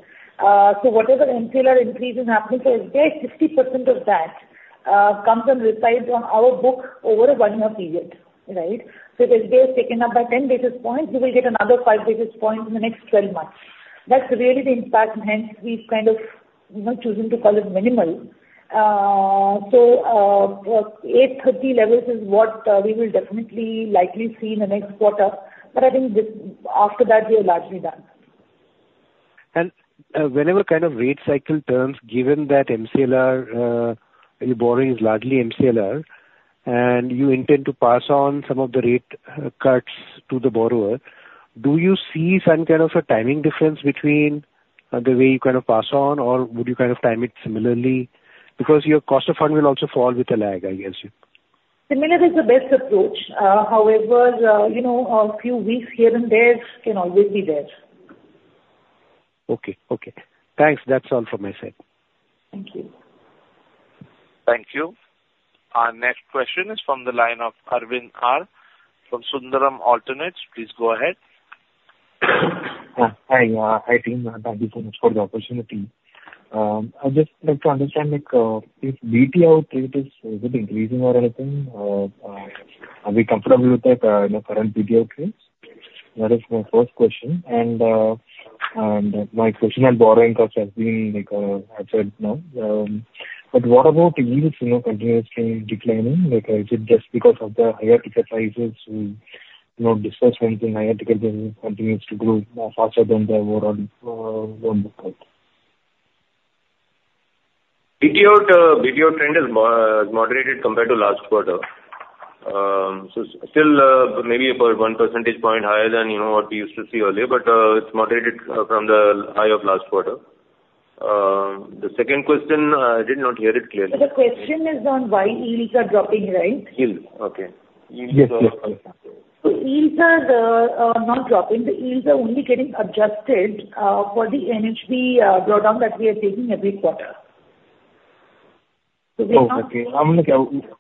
So whatever MCLR increase is happening, so SBI, 60% of that, comes and resides on our book over a one-year period, right? So if SBI is taken up by 10 basis points, we will get another 5 basis points in the next 12 months. That's really the impact, hence we've kind of, you know, chosen to call it minimal. Eight thirty levels is what we will definitely likely see in the next quarter, but I think this, after that, we are largely done. Whenever kind of rate cycle turns, given that MCLR, your borrowing is largely MCLR-... and you intend to pass on some of the rate cuts to the borrower. Do you see some kind of a timing difference between the way you kind of pass on, or would you kind of time it similarly? Because your cost of fund will also fall with a lag, I guess. Similar is the best approach. However, you know, a few weeks here and there can always be there. Okay, okay. Thanks. That's all from my side. Thank you. Thank you. Our next question is from the line of Arvind R. from Sundaram Alternates. Please go ahead. Hi. Hi, team. Thank you so much for the opportunity. I'd just like to understand, like, if BT out rate is it increasing or anything? Are we comfortable with the, you know, current BT out rate? That is my first question. And my question on borrowing cost has been, like, answered now. But what about yields, you know, continuously declining? Like, is it just because of the higher ticket sizes will, you know, disburse anything, higher ticket continues to grow more faster than the overall loan book? BT, BT trend is moderated compared to last quarter. So still, maybe about one percentage point higher than, you know, what we used to see earlier, but, it's moderated, from the high of last quarter. The second question, I did not hear it clearly. The question is on why yields are dropping, right? Yields, okay. Yes, yes. So yields are not dropping. The yields are only getting adjusted for the NHP drawdown that we are taking every quarter. Oh, okay. I'm looking at...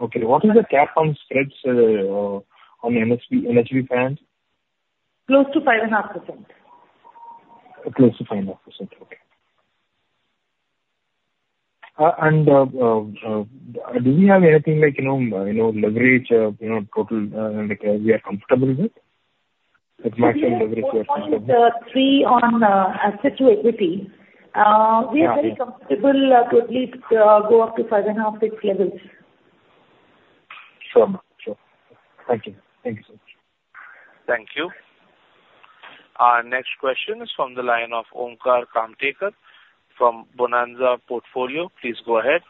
Okay, what is the cap on spreads, on NHP, NHP plans? Close to 5.5%. Close to 5.5%, okay. And, do you have anything like, you know, leverage, you know, total, like we are comfortable with? Like maximum leverage you are comfortable with. Is 3 on asset to equity. Yeah. We are very comfortable to at least go up to 5.5-6 levels. Sure. Sure. Thank you. Thank you so much. Thank you. Our next question is from the line of Omkar Kamtekar from Bonanza Portfolio. Please go ahead.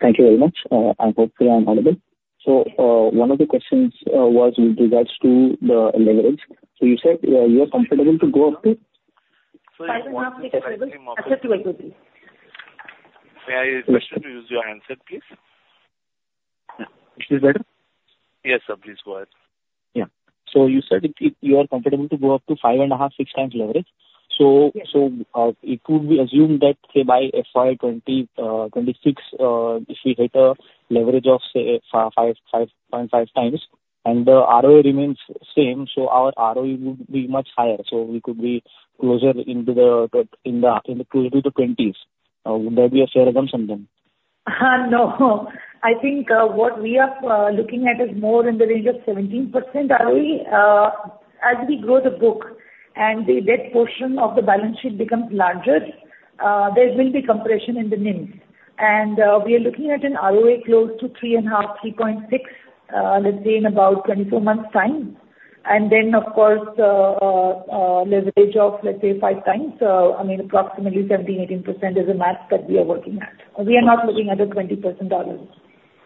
Thank you very much. I hope I'm audible. So, one of the questions was with regards to the leverage. So you said, you are comfortable to go up to? 5.5-6 levels, asset to equity. May I request you to use your handset, please? Is this better? Yes, sir. Please go ahead. Yeah. So you said it, you are comfortable to go up to 5.5-6 times leverage. Yes. So, it could be assumed that, say, by FY 2026, if we hit a leverage of, say, 5.5 times, and the ROE remains same, so our ROE would be much higher, so we could be closer into the in the 20s to the 20s. Would that be a fair assumption, then? No. I think, what we are looking at is more in the range of 17% ROE. As we grow the book, and the debt portion of the balance sheet becomes larger, there will be compression in the NIMs. We are looking at an ROE close to 3.5, 3.6, let's say in about 24 months' time. Then, of course, leverage of, let's say, 5x. I mean, approximately 17, 18% is the math that we are working at. We are not looking at a 20% ROE.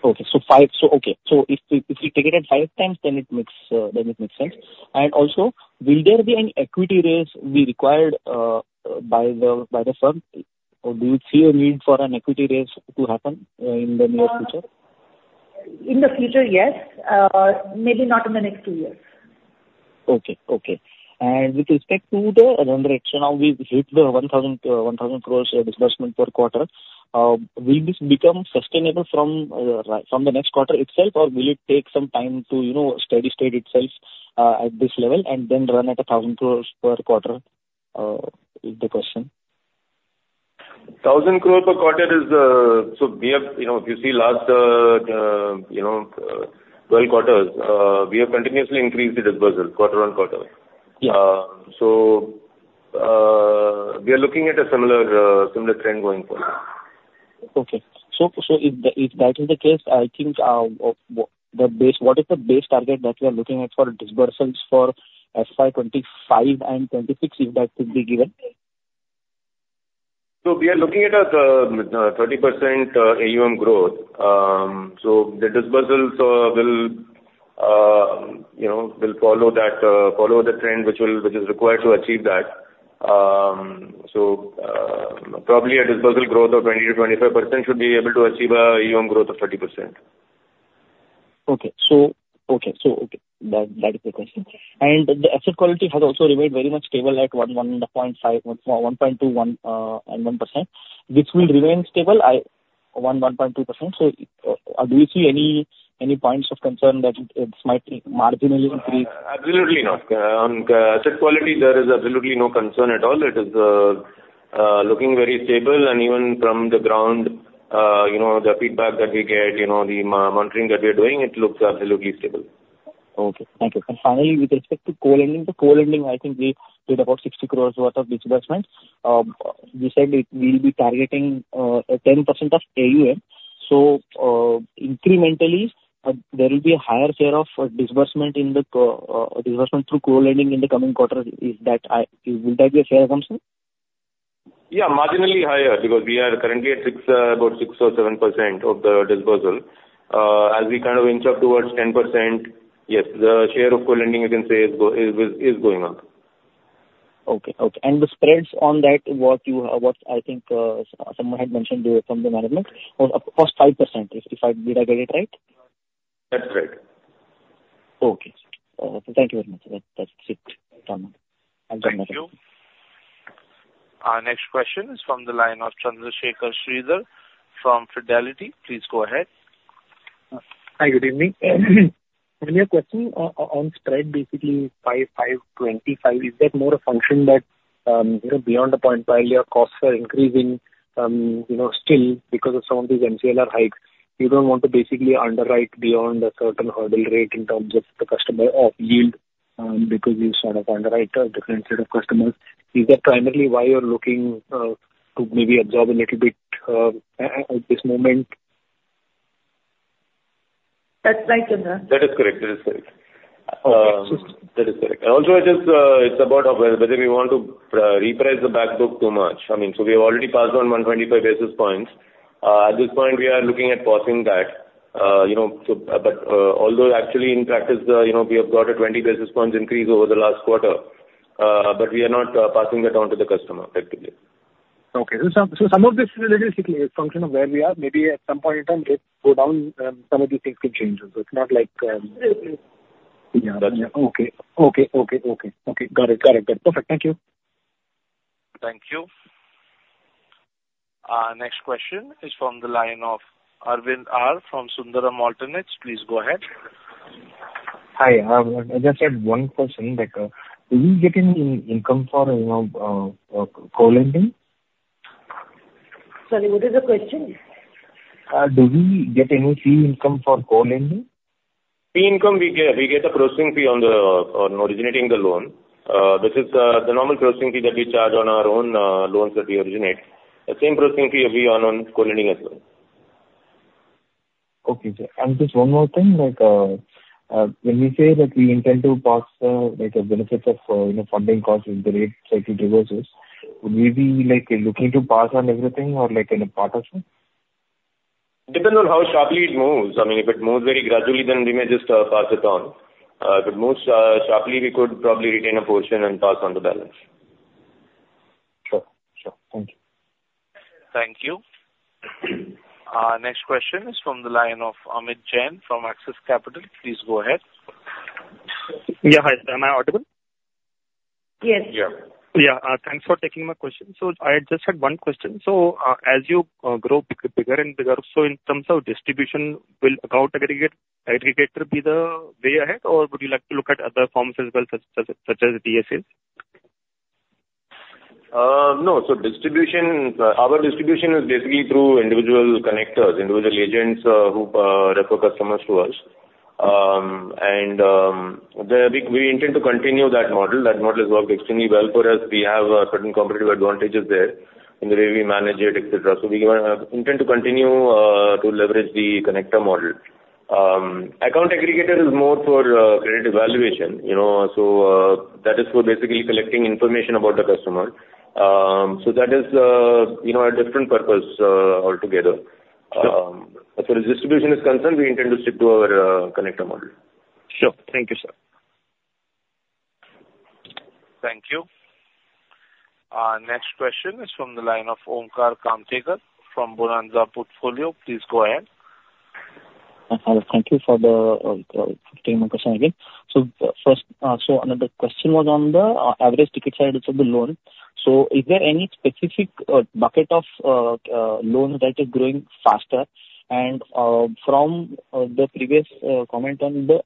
Okay, so if we take it at five times, then it makes sense. And also, will there be any equity raise be required by the firm? Or do you see a need for an equity raise to happen in the near future? In the future, yes. Maybe not in the next two years. Okay, okay. With respect to the run rate, so now we've hit the 1,000 crore disbursement per quarter. Will this become sustainable from the next quarter itself, or will it take some time to, you know, steady state itself at this level, and then run at 1,000 crore per quarter? Is the question. 1,000 crore per quarter is, so we have, you know, if you see last 12 quarters, we have continuously increased the disbursements quarter on quarter. Yeah. We are looking at a similar, similar trend going forward. Okay. So, if that is the case, I think, what is the base target that you are looking at for disbursements for FY 25 and 26, if that could be given? So we are looking at a 30% AUM growth. So the disbursements will you know will follow that follow the trend which will which is required to achieve that. So probably a disbursal growth of 20%-25% should be able to achieve a AUM growth of 30%. Okay, so that is the question. The asset quality has also remained very much stable at 1, 1.5, 1, 1.2, 1, and 1%. This will remain stable, I... 1, 1.2%? So, do you see any points of concern that it might marginally increase? Absolutely not. On asset quality, there is absolutely no concern at all. It is looking very stable, and even from the ground, you know, the feedback that we get, you know, the monitoring that we are doing, it looks absolutely stable. Okay, thank you. And finally, with respect to co-lending, the co-lending, I think we did about 60 crore worth of disbursements. You said that we will be targeting 10% of AUM. So, incrementally, there will be a higher share of disbursement in the disbursement through co-lending in the coming quarter. Is that, will that be a fair assumption? ... Yeah, marginally higher, because we are currently at 6, about 6 or 7% of the disbursal. As we kind of inch up towards 10%, yes, the share of co-lending, I can say, is going up. Okay, okay. The spreads on that, what you, what I think, someone had mentioned to you from the management, was +5%, if I did I get it right? That's right. Okay. Thank you very much. That, that's it done. Thank you. Our next question is from the line of Chandrashekhar Sridhar from Fidelity. Please go ahead. Hi, good evening. My question on spread, basically 5-5.25, is that more a function that, you know, beyond a point while your costs are increasing, you know, still, because of some of these MCLR hikes, you don't want to basically underwrite beyond a certain hurdle rate in terms of the customer or yield, because you sort of underwrite a different set of customers. Is that primarily why you're looking to maybe absorb a little bit at this moment? That's right, Chandra. That is correct. That is correct. Okay. That is correct. And also, it is, it's about whether we want to reprice the back book too much. I mean, so we have already passed on 125 basis points. At this point, we are looking at passing that, you know, so but, although actually in practice, you know, we have got a 20 basis points increase over the last quarter, but we are not passing that on to the customer, effectively. Okay. So some of this is a little bit function of where we are. Maybe at some point in time, it go down, some of these things could change also. It's not like, Mm-hmm. Yeah. Okay. Okay, okay, okay, okay. Got it. Got it. Perfect. Thank you. Thank you. Our next question is from the line of Arvind R. from Sundaram Alternates. Please go ahead. Hi, I just had one question, like, do we get any income for, you know, co-lending? Sorry, what is the question? Do we get any fee income for co-lending? Fee income, we get the processing fee on originating the loan. This is the normal processing fee that we charge on our own loans that we originate. The same processing fee will be on co-lending as well. Okay, sir. And just one more thing, like, when we say that we intend to pass, like the benefits of, you know, funding costs as the rate cycle reverses, would we be like looking to pass on everything or like in a part of it? Depends on how sharply it moves. I mean, if it moves very gradually, then we may just pass it on. If it moves sharply, we could probably retain a portion and pass on the balance. Sure, sure. Thank you. Thank you. Our next question is from the line of Amit Jain from Axis Capital. Please go ahead. Yeah, hi. Am I audible? Yes. Yeah. Yeah, thanks for taking my question. So I just had one question. So, as you grow bigger and bigger, so in terms of distribution, will Account Aggregator be the way ahead, or would you like to look at other forms as well, such as DSAs? No. So distribution, our distribution is basically through individual connectors, individual agents, who refer customers to us. We intend to continue that model. That model has worked extremely well for us. We have certain competitive advantages there in the way we manage it, et cetera. So we intend to continue to leverage the connector model. Account Aggregator is more for credit evaluation, you know, so that is for basically collecting information about the customer. So that is, you know, a different purpose altogether. Sure. As far as distribution is concerned, we intend to stick to our connector model. Sure. Thank you, sir. Thank you. Our next question is from the line of Omkar Kamtekar from Bonanza Portfolio. Please go ahead. Hello. Thank you for taking my question again. So first, so another question was on the average ticket sizes of the loan. So is there any specific bucket of loan that is growing faster? And from the previous comment on the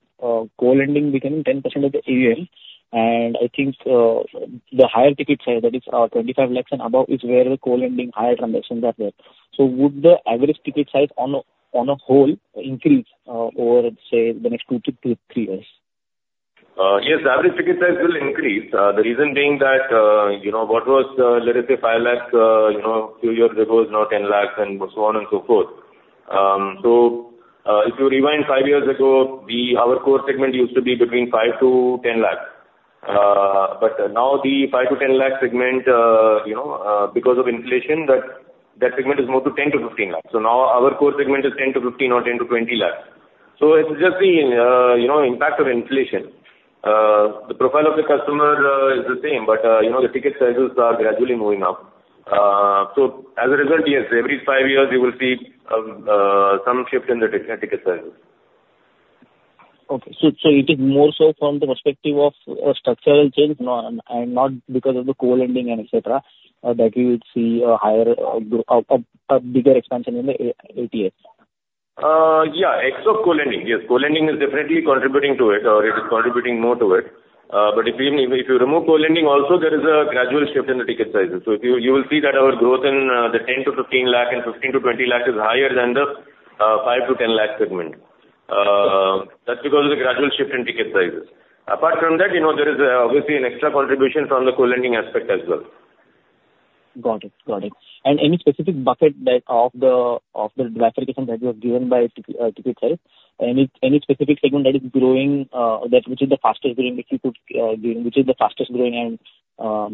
co-lending becoming 10% of the AUM, and I think the higher ticket size, that is, 25 lakh and above, is where the co-lending higher transactions are there. So would the average ticket size on a whole increase over, say, the next 2-3 years? Yes, average ticket size will increase. The reason being that, you know, what was, let us say 5 lakh, you know, 2 years ago is now 10 lakhs and so on and so forth. So, if you rewind 5 years ago, our core segment used to be between 5-10 lakhs. But now the 5-10 lakh segment, you know, because of inflation, that, that segment is more to 10-15 lakhs. So now our core segment is 10-15 or 10-20 lakhs. So it's just the, you know, impact of inflation. The profile of the customer is the same, but, you know, the ticket sizes are gradually moving up. So as a result, yes, every five years you will see some shift in the ticket sizes. Okay. So it is more so from the perspective of a structural change now and not because of the co-lending and et cetera, that you would see a higher, a bigger expansion in the ATS? Yeah, except Co-lending. Yes, Co-lending is definitely contributing to it, or it is contributing more to it. But if you, if you remove Co-lending also, there is a gradual shift in the ticket sizes. So you, you will see that our growth in the 10-15 lakh and 15-20 lakh is higher than the 5-10 lakh segment. That's because of the gradual shift in ticket sizes. Apart from that, you know, there is obviously an extra contribution from the Co-lending aspect as well. ... Got it. Got it. And any specific bucket of the diversification that you have given by ticket size? Any specific segment that is growing, that which is the fastest growing, if you could give which is the fastest growing and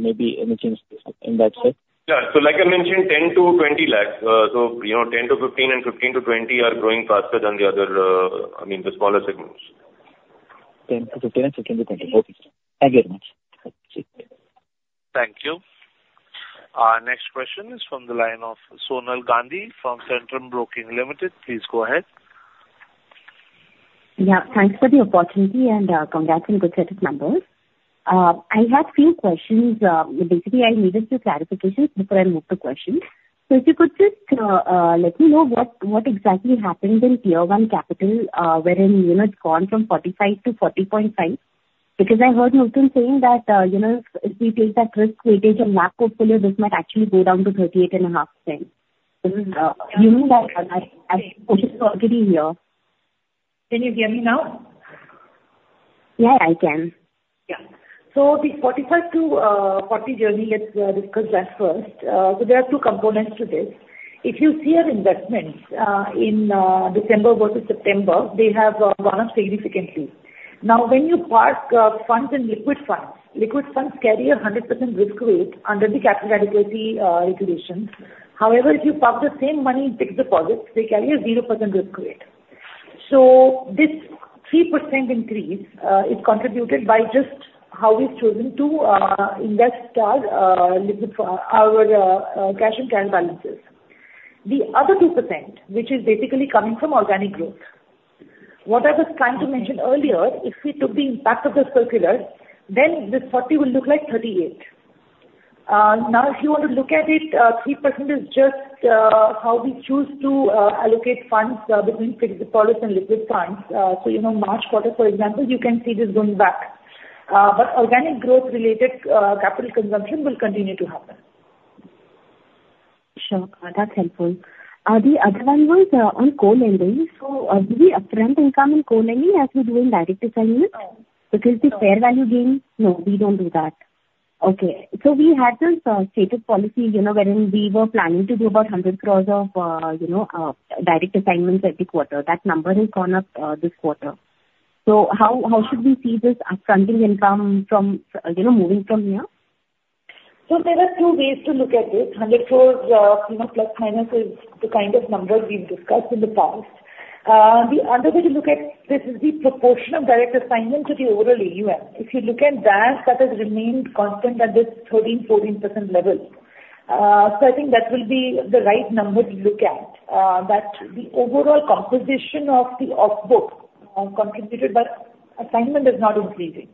maybe anything in that space? Yeah. So like I mentioned, 10-20 lakhs. So, you know, 10-15 and 15-20 are growing faster than the other, I mean, the smaller segments. 10-15, 15-20. Okay. Thank you very much. Thank you. Our next question is from the line of Sonal Gandhi from Centrum Broking Limited. Please go ahead. Yeah, thanks for the opportunity and, congrats on good set of numbers. I had few questions. Basically, I needed some clarifications before I move to questions. So if you could just let me know what exactly happened in Tier 1 capital, wherein, you know, it's gone from 45 to 40.5. Because I heard Nutan saying that, you know, if we take that risk weight, impact of circular, this might actually go down to 38.5%. Given that already here. Can you hear me now? Yeah, I can. Yeah. So the 45-40 journey, let's discuss that first. So there are two components to this. If you see our investments in December versus September, they have gone up significantly. Now, when you park funds in liquid funds, liquid funds carry a 100% risk weight under the capital adequacy regulations. However, if you park the same money in fixed deposits, they carry a 0% risk weight. So this 3% increase is contributed by just how we've chosen to invest our liquid our cash and current balances. The other 2%, which is basically coming from organic growth. What I was trying to mention earlier, if we took the impact of the circular, then this 40 will look like 38. Now, if you want to look at it, 3% is just how we choose to allocate funds between fixed deposits and liquid funds. So, you know, March quarter, for example, you can see this going back. But organic growth-related capital consumption will continue to happen. Sure. That's helpful. The other one was on co-lending. So, do we upfront income in co-lending as we do in direct assignments? No. Because the fair value gains... No, we don't do that. Okay, so we had this stated policy, you know, wherein we were planning to do about 100 crore of, you know, Direct Assignment every quarter. That number has gone up this quarter. So how, how should we see this upfronting income from, you know, moving from here? There are two ways to look at this. 100 crore, you know, plus, minus is the kind of numbers we've discussed in the past. The other way to look at this is the proportion of direct assignments to the overall AUM. If you look at that, that has remained constant at this 13%-14% level. So I think that will be the right number to look at, that the overall composition of the off book, contributed, but assignment is not increasing.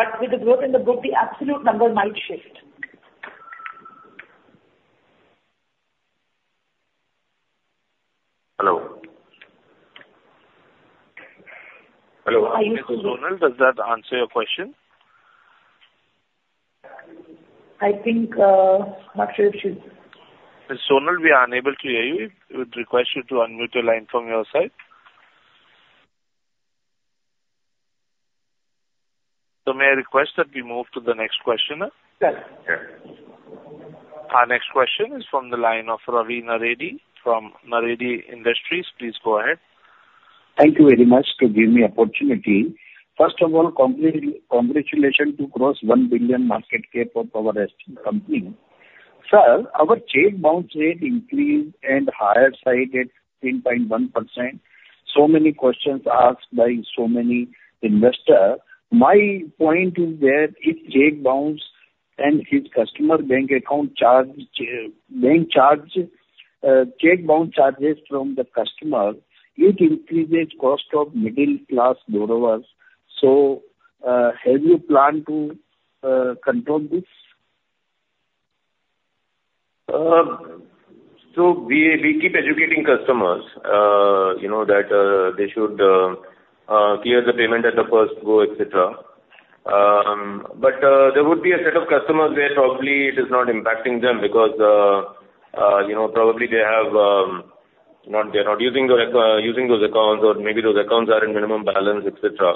But with the growth in the book, the absolute number might shift. Hello? Hello, Sonal, does that answer your question? I think, not sure it should. Sonal, we are unable to hear you. We would request you to unmute your line from your side. So may I request that we move to the next question? Sure, sure. Our next question is from the line of Ravi Naredi from Naredi Industries. Please go ahead. Thank you very much to give me opportunity. First of all, congratulations to cross $1 billion market cap of our esteemed company. Sir, our check bounce rate increased and higher side at 3.1%. So many questions asked by so many investor. My point is that if check bounce and his customer bank account charge, bank charge, check bounce charges from the customer, it increases cost of middle class borrowers. So, have you planned to, control this? So we keep educating customers, you know, that they should clear the payment at the first go, et cetera. But there would be a set of customers where probably it is not impacting them because, you know, probably they have not... They're not using those accounts or maybe those accounts are in minimum balance, et cetera.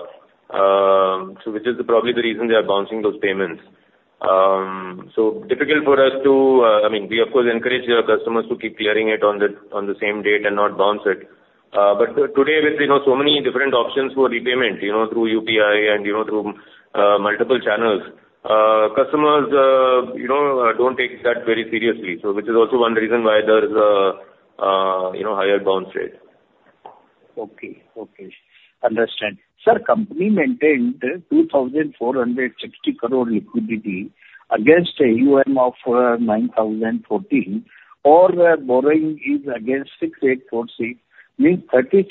So which is probably the reason they are bouncing those payments. So difficult for us to, I mean, we of course encourage your customers to keep clearing it on the same date and not bounce it. But today, with, you know, so many different options for repayment, you know, through UPI and, you know, through multiple channels, customers, you know, don't take that very seriously. So which is also one reason why there is a, you know, higher bounce rate. Okay. Okay. Understand. Sir, company maintained 2,460 crore rupees liquidity against AUM of 9,014 crore, all the borrowing is against 6,846 crore, means 36%,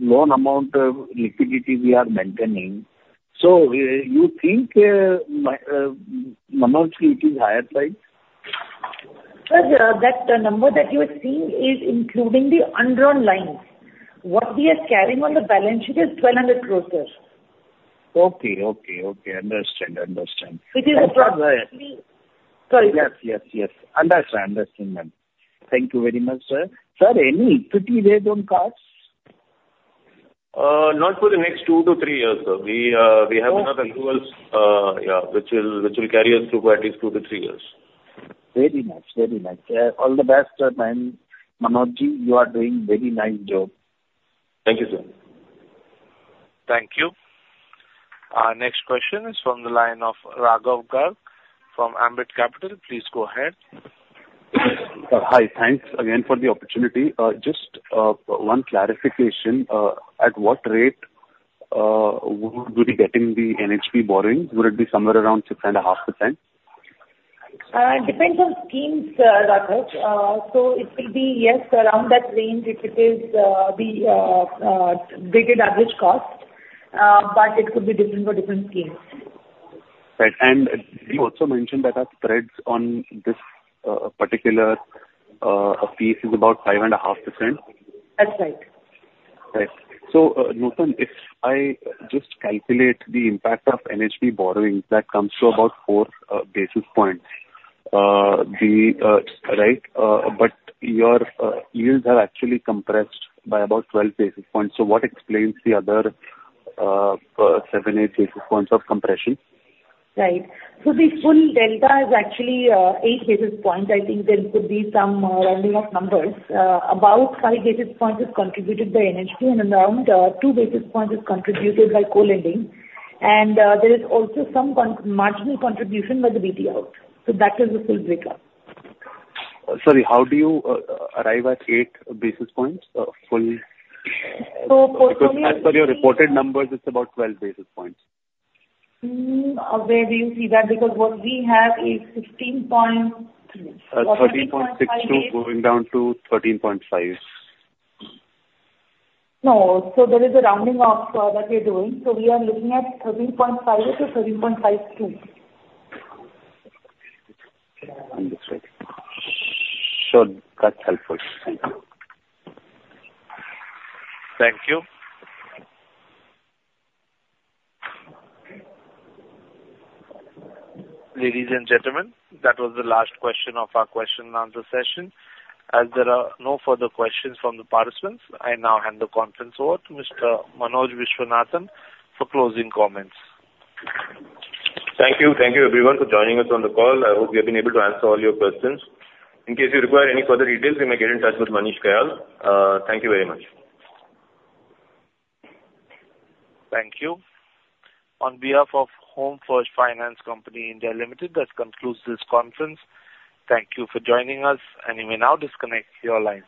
loan amount of liquidity we are maintaining. So, you think, normally it is higher price? Sir, that number that you are seeing is including the undrawn lines. What we are carrying on the balance sheet is 1,200 crore, sir. Okay. Okay. Okay. Understood. Understand. Which is across the- Yes, yes, yes. Understand. Understand, ma'am. Thank you very much, sir. Sir, any equity they don't cause?... Not for the next 2-3 years, sir. We, we have enough renewals, yeah, which will, which will carry us through for at least 2-3 years. Very nice. Very nice. All the best, and Manojji, you are doing very nice job. Thank you, sir. Thank you. Our next question is from the line of Raghav Garg from Ambit Capital. Please go ahead. Hi. Thanks again for the opportunity. Just one clarification, at what rate would we be getting the NHB borrowing? Would it be somewhere around 6.5%? It depends on schemes, Raghav. So it will be, yes, around that range, if it is the weighted average cost, but it could be different for different schemes. Right. And you also mentioned that our spreads on this particular piece is about 5.5%? That's right. Right. So, Nutan, if I just calculate the impact of NHB borrowings, that comes to about 4 basis points. Right? But your yields have actually compressed by about 12 basis points, so what explains the other 7-8 basis points of compression? Right. So the full delta is actually 8 basis points. I think there could be some rounding of numbers. About 5 basis points is contributed by NHB, and around 2 basis points is contributed by co-lending. And there is also some marginal contribution by the BTL. So that is the full breakup. Sorry, how do you arrive at eight basis points, full? So for full- Because as per your reported numbers, it's about 12 basis points. Where do you see that? Because what we have is 16 point... 13.62 going down to 13.5. No, so there is a rounding off, that we're doing. So we are looking at 13.5-13.52. Understood. Sure, that's helpful. Thank you. Thank you. Ladies and gentlemen, that was the last question of our question and answer session. As there are no further questions from the participants, I now hand the conference over to Mr. Manoj Viswanathan for closing comments. Thank you. Thank you everyone for joining us on the call. I hope we have been able to answer all your questions. In case you require any further details, you may get in touch with Manish Kayal. Thank you very much. Thank you. On behalf of Home First Finance Company India Limited, that concludes this conference. Thank you for joining us, and you may now disconnect your lines.